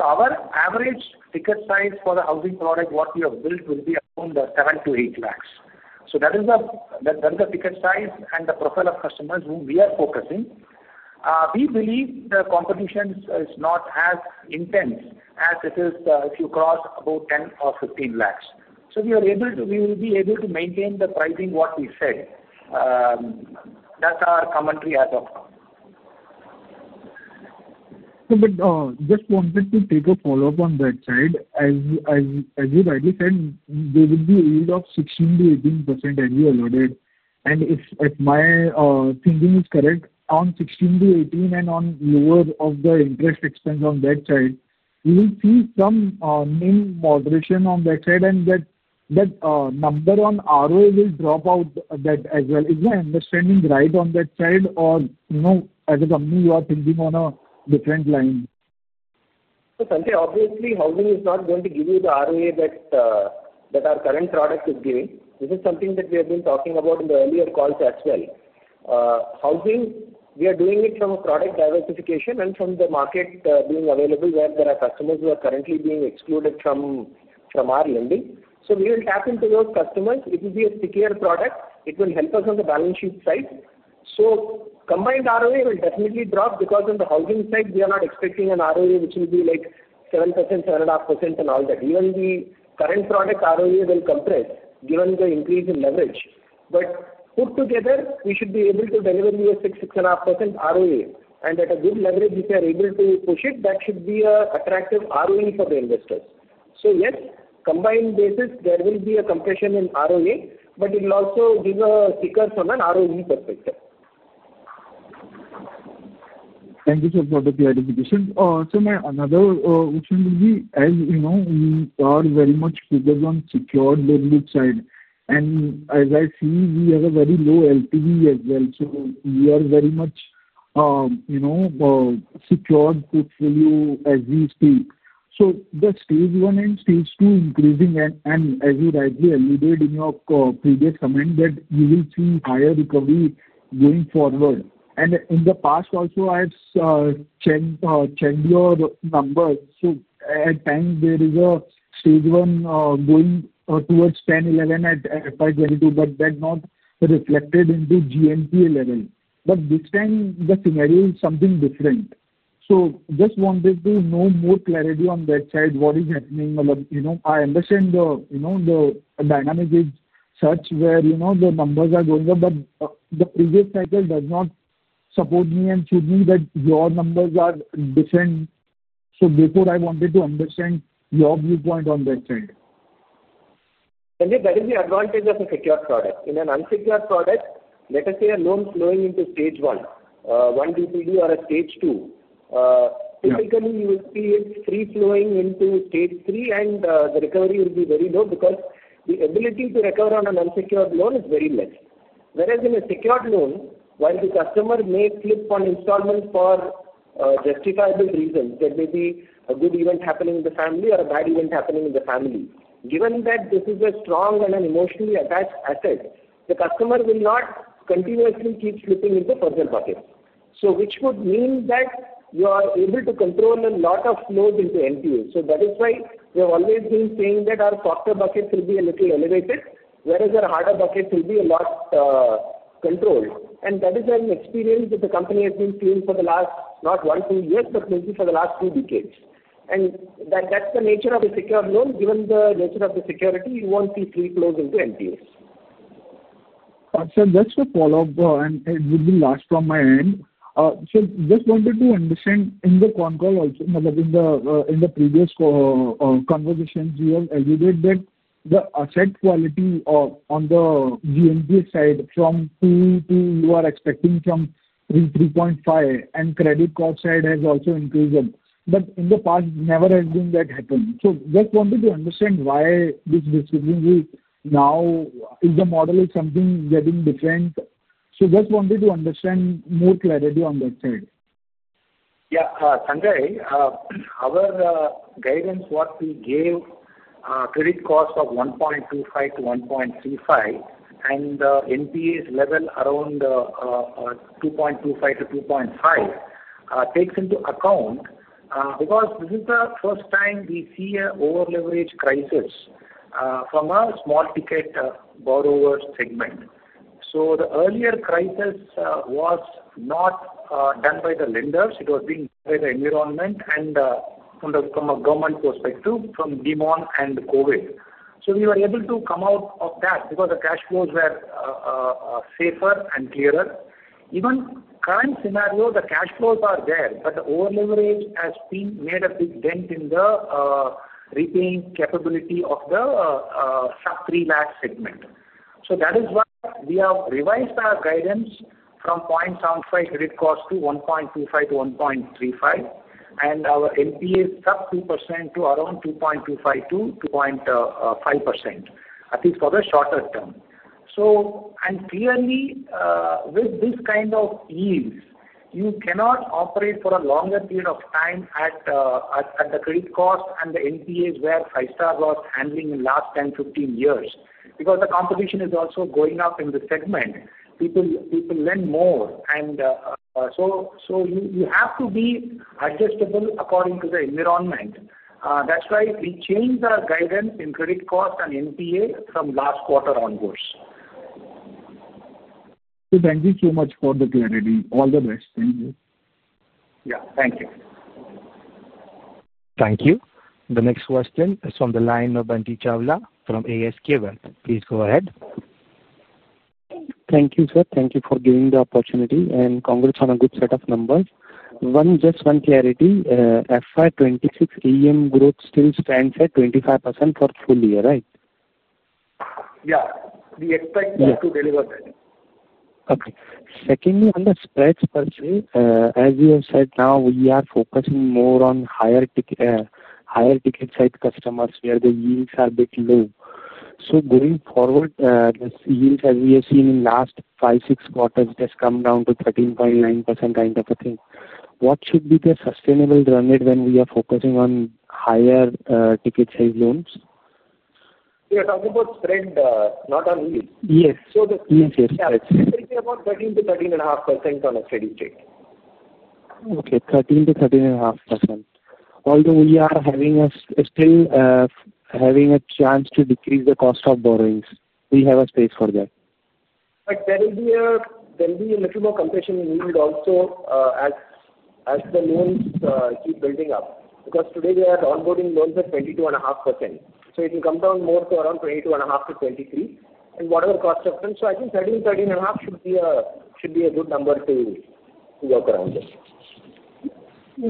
Our average ticket size for the housing loan product we have built will be around 7 lakhs-8 lakhs. That is the ticket size and the profile of customers whom we are focusing on. We believe the competition is not as intense as it is if you cross about 10 lakhs or 15 lakhs. We will be able to maintain the pricing we said, that's our commentary as of now. Just wanted to take a follow-up on that side. As you rightly said, there will be a yield of 16%-18% annual audit. If my thinking is correct, on 16%-18% and on lower of the interest expense on that side, you will see some moderation on that side and that number on ROA will drop out. That as well. Am I standing right on that side or as a company are you thinking on a different line? Sanjay, obviously, housing is not going to give you the ROE that our current product is giving. This is something that we have been talking about in the earlier calls as well. Housing, we are doing it from a product diversification and from the market being available where there are customers who are currently being excluded from our lending. We will tap into those customers. It will be a secured product. It will help us on the balance sheet side. Combined ROA will definitely drop because of the housing side. We are not expecting an ROA which will be like 7%, 7.5% and all that. Even the current product ROA will compress given the increase in leverage. Put together, we should be able to deliver you a 6%, 6.5% ROE and at a good leverage if you are able to push it, that should be attractive ROE for the investors. Yes, on a combined basis there will be a compression in ROA, but it will also give a sticker from an ROE perspective. Thank you, sir, for the clarification. My another question will be, as you know, we are very much focused on secured building side and as I see we have a very low LTV as well. We are very much, you know, secured portfolio as we speak. The stage one and stage two increasing and as you rightly eluded in your previous comment that you will see higher recovery going forward. In the past also I have checked your numbers. At times there is a stage one going towards 10, 11 at [522] but that not reflected into GNPA level. This time the scenario is something different. I just wanted to know more clarity on that side, what is happening. I understand the dynamic is such where the numbers are going up, but the previous cycle does not support me and should mean that your numbers are different. I wanted to understand your viewpoint on that side. That is the advantage of a secured product. In an unsecured product, let us say a loan flowing into stage one, one DPD or a stage two, typically you will see it free flowing into stage three and the recovery will be very low because the ability to recover on an unsecured loan is very less. Whereas in a secured loan, while the customer may flip on installment for justifiable reasons, there may be a good event happening in the family or a bad event happening in the family. Given that this is a strong and an emotionally attached asset, the customer will not continuously keep slipping in the further buckets, which would mean that you are able to control a lot of load into NPLs. That is why we have always been saying that our softer buckets will be a little elevated, whereas our harder buckets will be a lot controlled. That is an experience that the company has been paying for the last not one, two years but maybe for the last two decades. That's the nature of a secured loan. Given the nature of the security, you won't see free flows into NPAs. Sir, that's the follow up and it would be last from my end. I just wanted to understand in the quant call also in the previous conversations you have eluded that the asset for quality of on the GNPA side from 2 to you are expecting some 3.5 and credit cost side has also increased but in the past never has been that happened. I just wanted to understand why this discipline is now, is the model is something getting different. I just wanted to understand more clarity on that side. Yeah Sanjay, our guidance what we gave credit cost of 1.25%-1.35% and NPA's level around 2.25%-2.5% takes into account because this is the first time we see an over-leveraged crisis from a small ticket borrower segment. The earlier crisis was not done by the lenders. It was being done by the environment and from a government perspective from Demon and Covid. We were able to come out of that because the cash flows were safer and clearer. Even in the current scenario the cash flows are there. The over leverage has made a big dent in the repaying capability of the sub 3 lakh segment. That is why we have revised our guidance from 0.75% credit cost to 1.25%-1.35% and our NPA is up 2% to around 2.25%-2.5% at least for the shorter term. Clearly, with this kind of ease you cannot operate for a longer period of time at the credit cost. The NPAs that Five-Star was handling in the last 10, 15 years, because the competition is also going up in the segment. People lend more and you have to be adjustable according to the environment. That's why we changed our guidance in credit cost and NPA from last quarter onwards. Thank you so much for the clarity. All the best. Thank you. Yeah, thank you. Thank you. The next question is from the line of Banti Chawla from ASK. Please go ahead. Thank you, sir. Thank you for giving the opportunity and congrats on a good set of numbers. One, just one clarity. FY 2026 AUM growth still stands at 25% for full year, right? Yeah, we expect to deliver. Secondly, on the spreads per se, as you have said, now we are focusing more on higher ticket side customers where the yields are a bit low. Going forward, yields as we have seen in last five, six quarters have just come down to 13.9% kind of a thing. What should be the sustainable run rate when we are focusing on higher ticket size lons? We are talking about sustainability, not on yield. Yes, on a steady state. Okay. 13%-13.5%. Although we are still having a chance to decrease the cost of borrowings. We have a space for that. But there will be a little more compression needed also as the loans keep building up. Because today they are onboarding loans at 22.5%, so it can come down more to around 22.5%-23% and whatever cost of them. I think 13%, 13.5% should be a good number to work around.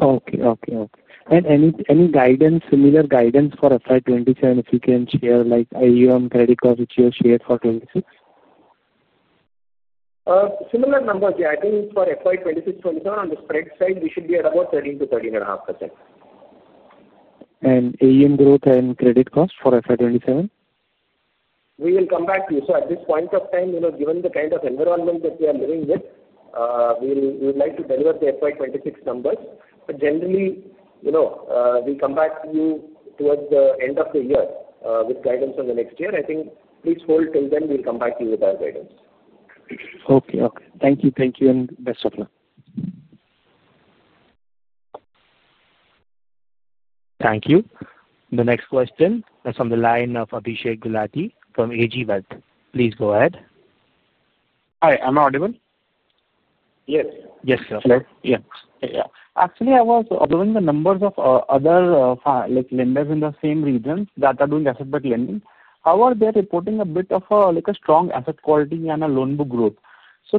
Okay. Okay. Any guidance, similar guidance for FY 2027 if you can share, like on credit cost which you have shared for 2026. Similar numbers. Yeah, I think for FY 2026, 2027 on the spread side we should be at about 13%-13.5%. AUM growth and credit cost for FY 2027? We will come back to you. At this point of time, given the kind of environment that we are living with, we would like to deliver the FY 2026 numbers. Generally, we come back to you towards the end of the year with guidance for the next year. I think please hold till then. We will come back to you with our guidance. Okay, thank you. Thank you and best of luck. Thank you. The next question is on the line of Abhishek Gulati from AG Wealth. Please go ahead. Hi, am I audible? Yes. Yes. Yeah, yeah. Actually, I was observing the numbers of other lenders in the same regions that are doing asset-backed lending. How are they reporting a bit of a strong asset quality and a loan book growth?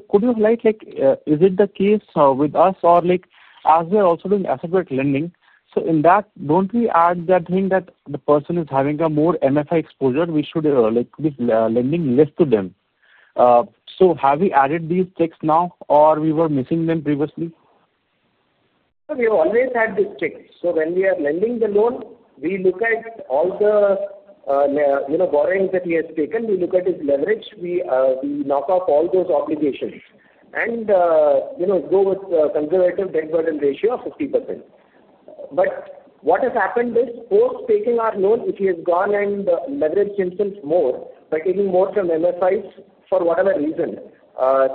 Could you highlight, is it the case with us, as we are also doing asset rate lending? In that, don't we add that thing that the person is having more MFI exposure, we should be lending less to them? Have we added these checks now or were we missing them previously? We always had this check. When we are lending the loan, we look at all the borrowings that he has taken, we look at his leverage, we knock off all those obligations and go with a conservative debt burden ratio of 50%. What has happened is, post taking our loan, if he has gone and leveraged himself more by taking more from MFIs, for whatever reason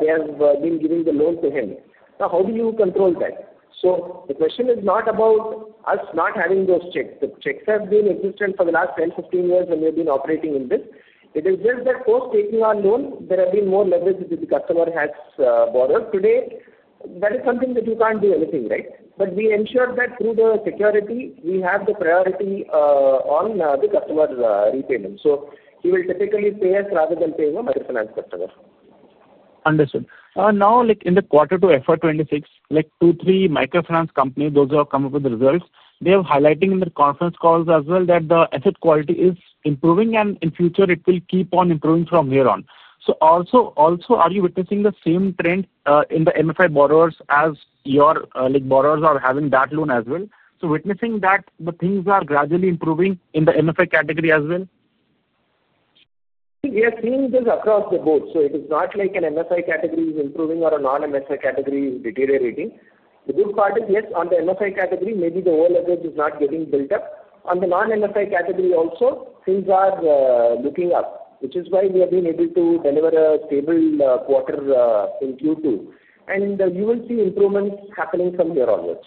they have been giving the loan to him, how do you control that? The question is not about us not having those checks. The checks have been existent for the last 10, 15 years when we have been operating in this. It is just that post taking our loan, there has been more leverage that the customer has borrowed today. That is something that you can't do anything about, right? We ensure that through the security, we have the priority on the customer repayment. He will typically pay us rather than paying a MFI refinance customer. Understood. In the quarter to FY 2026, two, three microfinance companies, those who have come up with the results, they are highlighting in the conference calls as well that the asset quality is improving and in future it will keep on improving from here on. Are you witnessing the same trend in the MFI borrowers as your borrowers are having that loan as well? Witnessing that the things are gradually improving in the MFI category as well? We are seeing this across the board. It is not like an MFI category is improving or a non-MFI category deteriorating. The good part is, yes, on the MFI category maybe the over leverage is not getting built up. On the non-MFI category also, things are looking up, which is why we have been able to deliver a stable quarter in Q2 and you will see improvements happening from here onwards.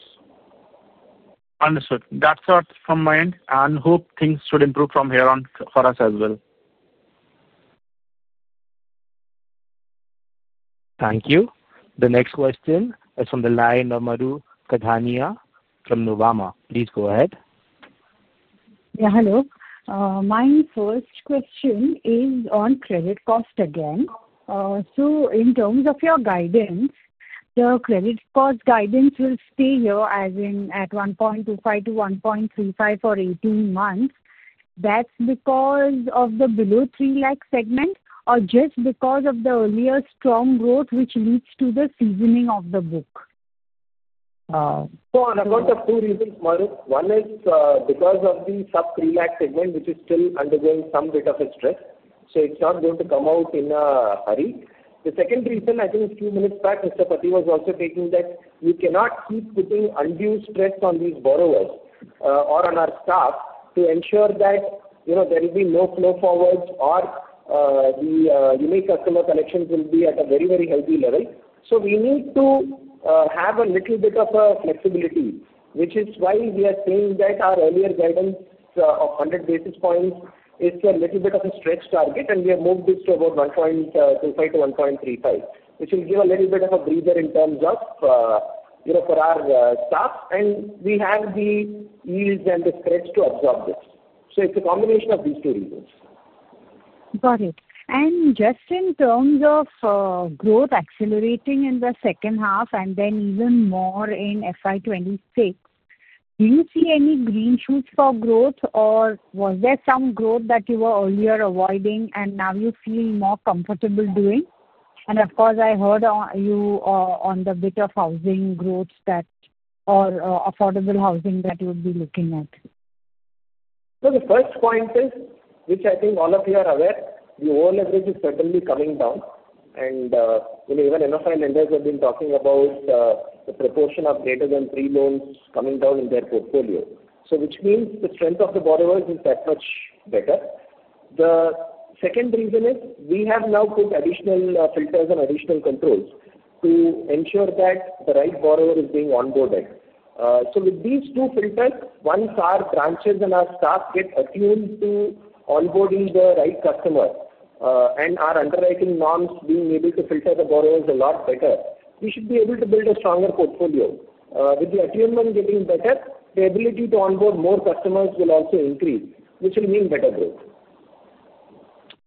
Understood. That's what from my end and hope things should improve from here on for us as well. Thank you. The next question is from the line of Mahrukh Adajania from Nuvama. Please go ahead. Hello. My first question is on credit cost again. In terms of your guidance, the credit cost guidance will stay here as in at 1.25%-1.35% for 18 months. That's because of the below 3 lakh segment or just because of the earlier strong growth which leads to the seasoning of the book. On account of two reasons, Mahrukh. One is because of the sub INR 3 lakh segment, which is still undergoing some bit of a stress. It's not going to come out in a hurry. The second reason, I think a few minutes back, Mr. Pathy was also saying that you cannot keep putting undue stress on these borrowers or on our staff to ensure that there will be no flow forwards or the unique customer collections will be at a very, very healthy level. We need to have a little bit of flexibility, which is why we are saying that our earlier guidance of 100 basis points is a little bit of a stretch target, and we have moved this to about 1.25%-1.35%, which will give a little bit of a breather in terms of for our staff, and we have the ease and the stretch to absorb this. It's a combination of these two reasons. Got it. Just in terms of growth accelerating in the second half and then even more in FY 2026, do you see any green shoots for growth or was there some growth that you were earlier avoiding and now you feel more comfortable doing? Of course, I heard you on the bit of housing growth or affordable housing that you would be looking at. The first point is, which I think all of you are aware, the over leverage is certainly coming down. Even NBFC lenders have been talking about the proportion of greater than three loans coming down in their portfolio, which means the trend of the borrowers is that much better. The second reason is we have now put additional filters and additional controls to ensure that the right borrower is being onboarded. With these two filters, once our branches and our staff get attuned to onboarding the right customer and our underwriting norms being able to filter the borrowers a lot better, we should be able to build a stronger portfolio. With the attunement getting better, the ability to onboard more customers will also increase, which will mean better growth.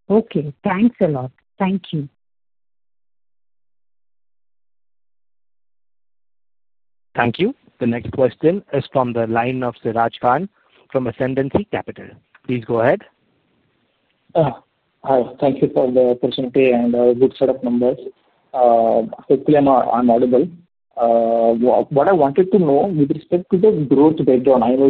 Okay, thanks a lot. Thank you. Thank you. The next question is from the line of Siraj Khan from Ascendant Capital. Please go ahead. Hi. Thank you for the opportunity and good setup. Numbers. Hopefully I'm audible. What I wanted to know with respect to the growth breakdown, I know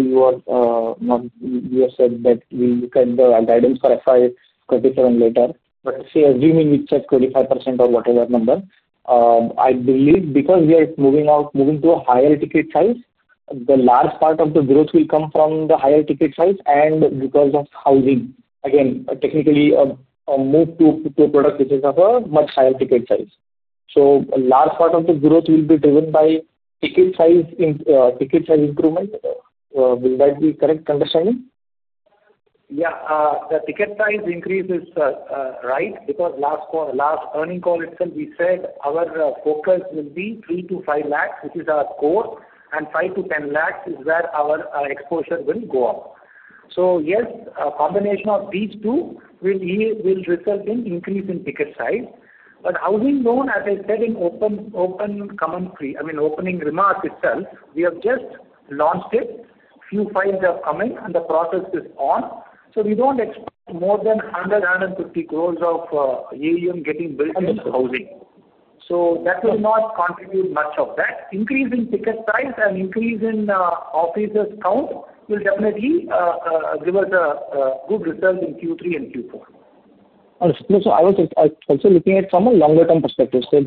you said that we look at the guidance for FY 2027 later. Assuming we check 2025 or whatever number, I believe because we are moving to a higher ticket size, a large part of the growth will come from the higher ticket size. Because of housing, again technically a move to a product which is of a much higher ticket size, a large part of the growth will be driven by ticket size improvement. Will that be correct understanding? Yeah, the ticket size increase is right. Because last quarter, last earnings call itself we said our focus will be 3 lakhs-5 lakhs which is our core and 5 lakhs-10 lakhs is where our exposure will go up. Yes, a combination of these two will result in increase in ticket size. Housing loan, as I said in opening remarks itself, we have just launched it, few files are coming and the process is on. We don't expect more than 150 crores of AUM getting built into housing. That will not contribute much of that increase in ticket size and increase in offices count will definitely give us a good return in Q3 and Q4. I was also looking at from a longer term perspective, FY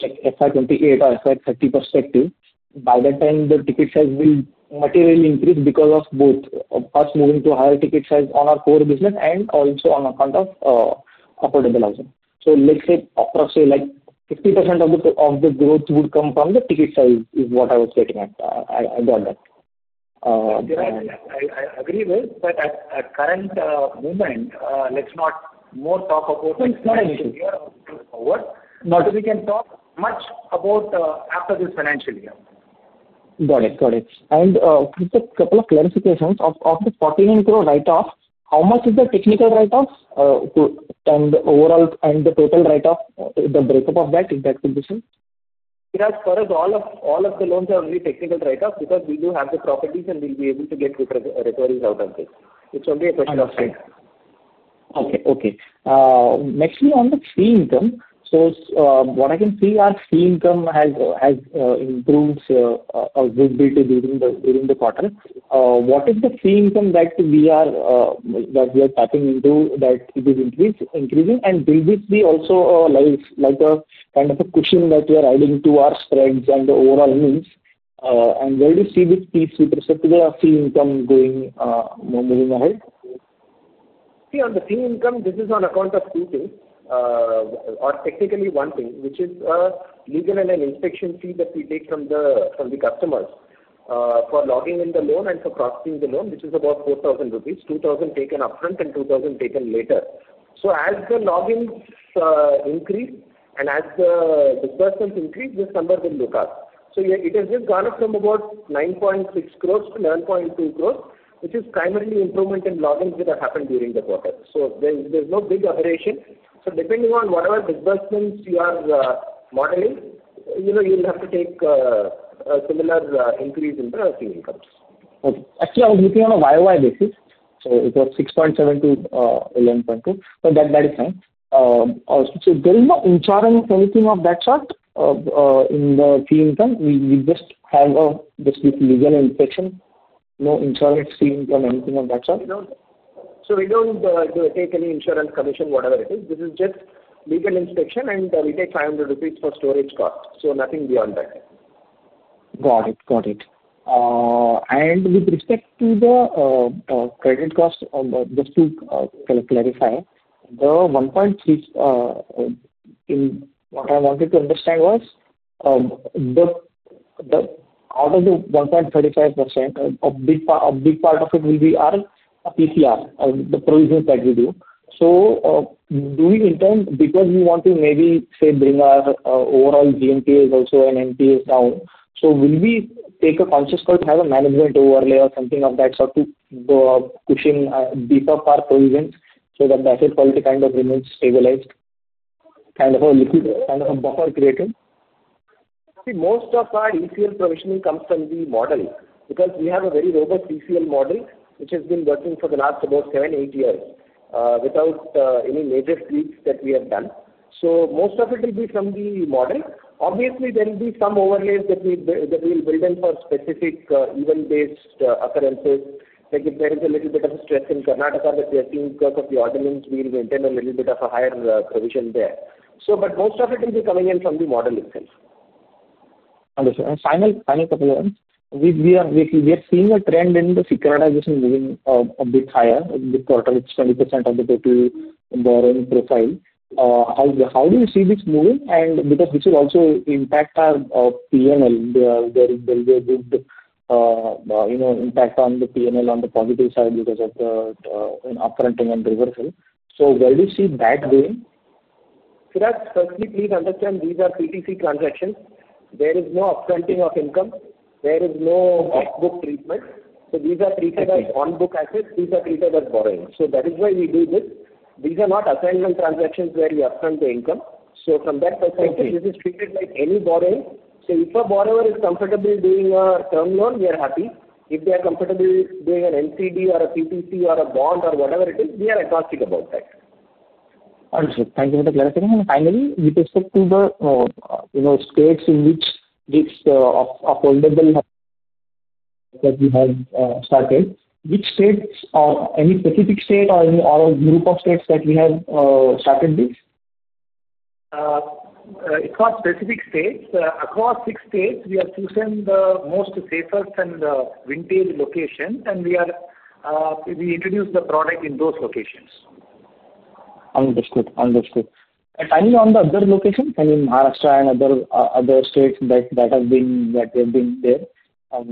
2028 or FY 2030 perspective. By that time the ticket size will materially increase because of both us moving to higher ticket size on our core business and also on account of affordable housing. Let's say approximately like 50% of the growth would come from the ticket size is what I was getting at. I got that. I agree with. At current moment let's not talk more about it. It's not an issue forward, we can talk much about after this financial year. Got it, got it. Just a couple of clarifications. Of the 14 crore write-off, how much is the technical write-off and overall and the total write-off, the breakup that? For us, all of the loans are only technical write-off because we do have the properties and we'll be able to get good recoveries out of this. It's only a question of. Okay. Next on the fee income, what I can see, our fee income has improved during the quarter. What is the fee income that we are tapping into that it is increasing and will this be also like a kind of a cushion that we are adding to our spreads and the overall means. Where do you see this piece with respect to the fee income going ahead? See, on the fee income, this is on account of two things, or technically one thing, which is legal and an inspection fee that we take from the customers for logging in the loan and for processing the loan, which is about 4,000 rupees, INR 2,000 taken up front and 2,000 taken later. As the logins increase and as the disbursements increase, this number will look up. It has just gone up from about 9.6 crore to 11.2 crore, which is primarily improvement in logins that are happening during the quarter. There is no big operation. Depending on whatever disbursements you are modeling, you will have to take a similar increase in the incomes. Actually, I was looking on a year-on-year basis, so it was 6.7 crore to 11.2 crore, but that is fine. There is no insurance, anything of that sort in the fee income. We just have this inspection, no insurance or anything of that sort. We don't take any insurance commission, whatever it is. This is just legal inspection. We take INR 500 for storage cost. Nothing beyond that. Got it, got it. With respect to the credit cost, 1.6 in. What I wanted to understand was, out of the 1.35%, a big part of it will be our PCR, the provisions that we do. Do we intend, because we want to maybe say bring our overall GNPA also and NPAs down, will we take a conscious call to have a management overlay or something of that sort to push in deeper part provisions so that the asset quality kind of remains stabilized, kind of a liquid, kind of a buffer created? Most of our ECL provisioning comes from the model because we have a very robust ECL model, which has been working for the last about seven, eight years without any major tweaks that we have done. Most of it will be from the model. Obviously, there will be some overlays that we will build in for specific event-based occurrences. If there is a little bit of a stress in Karnataka that we are seeing because of the ordinance, we maintain a little bit of a higher provision there. Most of it will be coming in from the model itself. Final couple of ones, we are seeing a trend in the securitization moving a bit higher the quarter. It's 20% of the total borrowing profile. How do you see this moving? This will also impact our P&L, impact on the P&L on the positive side because of the upfronting and reversal. Where do you see that going? Firstly, please understand these are PTC transactions. There is no upfronting of income. There is no off book treatment. These are treated as on book assets. These are treated as borrowing. That is why we do this. These are not assignment transactions where we upfront the income. From that perspective, this is treated like any borrowing. If a borrower is comfortable doing a term loan, we are happy. If they are comfortable doing an NCD or a PTC or a bond or whatever it is, we are agnostic about that. Thank you for the clarification. Finally, with respect to the states in which this affordable that we have started, which states or any specific state or any group of states that we have, it's not specific states. Across six states, we have chosen the most safest and vintage location and we introduced the product in those locations. Understood. Understood. Finally, on the other location, I mean Maharashtra and other states that have been there,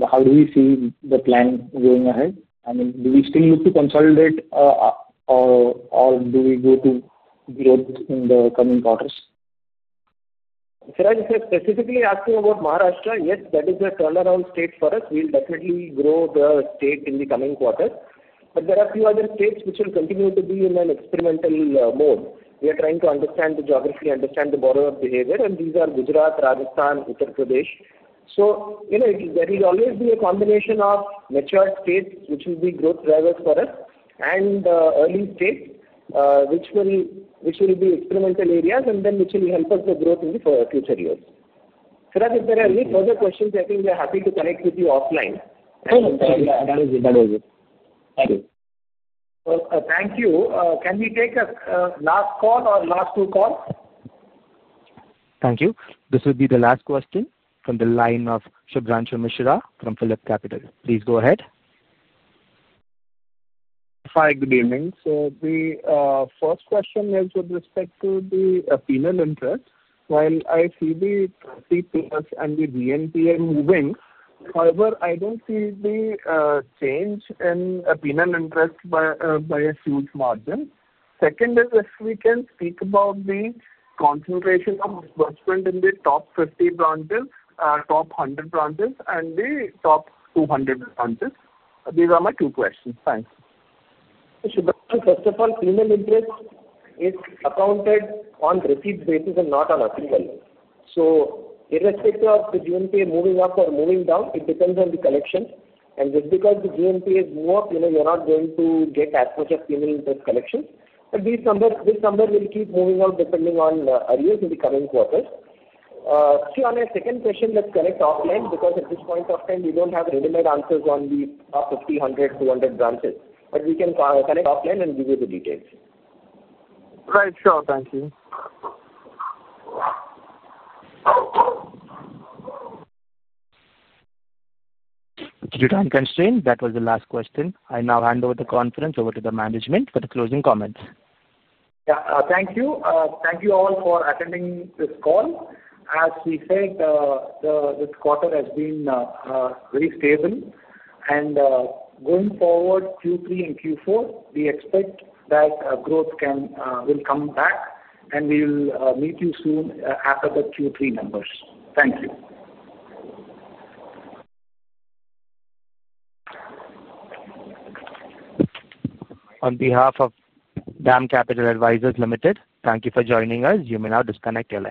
how do we see the plan going ahead? I mean, do we still look to consolidate or do we go to growth in the coming quarters? Siraj, if you are specifically asking about Maharashtra, yes, that is a turnaround state for us. We will definitely grow the state in the coming quarters. There are few other states which will continue to be in an experimental mode. We are trying to understand the geography, understand the borrower behavior and these are Gujarat, Rajasthan, Uttar Pradesh. There will always be a combination of mature states which will be growth drivers for us and early states which will be experimental areas and then which will help us for growth in the future years. Siraj, if there are any further questions, I think we are happy to connect with you offline. Thank you. Can we take a last call or last two calls? Thank you. This would be the last question from the line of Shubhranshu Mishra from PhillipCapital. Please go ahead. Hi, good evening. The first question is with respect to the penal interest. While I see the and the GNPA moving, I don't see the change in penal interest by a CP margin. Second is if we can speak about the concentration of the top 50 branches, top 100 branches, and the top 200 branches. These are my two questions. Thanks. First of all, penal interest is accounted on receipt basis and not on assignment. Irrespective of the GNPA moving up or moving down, it depends on the collection. Just because the GNPA is moving up, you're not going to get as much of penal interest collections. This number will keep moving out depending on arrears in the coming quarters. On your second question, let's connect offline because at this point of time we don't have readymade answers on the top 50, 100, 200 branches. We can connect offline and give you the details. Right. Sure. Thank you. Due to time constraint, that was the last question. I now hand over the conference over to the management for the closing comments. Thank you. Thank you all for attending this call. As we said, this quarter has been very stable, and going forward Q3 and Q4, we expect that growth will come back and we'll meet you soon after the Q3 numbers. Thank you. On behalf of DAM Capital Advisors, thank you for joining us. You may now disconnect your line.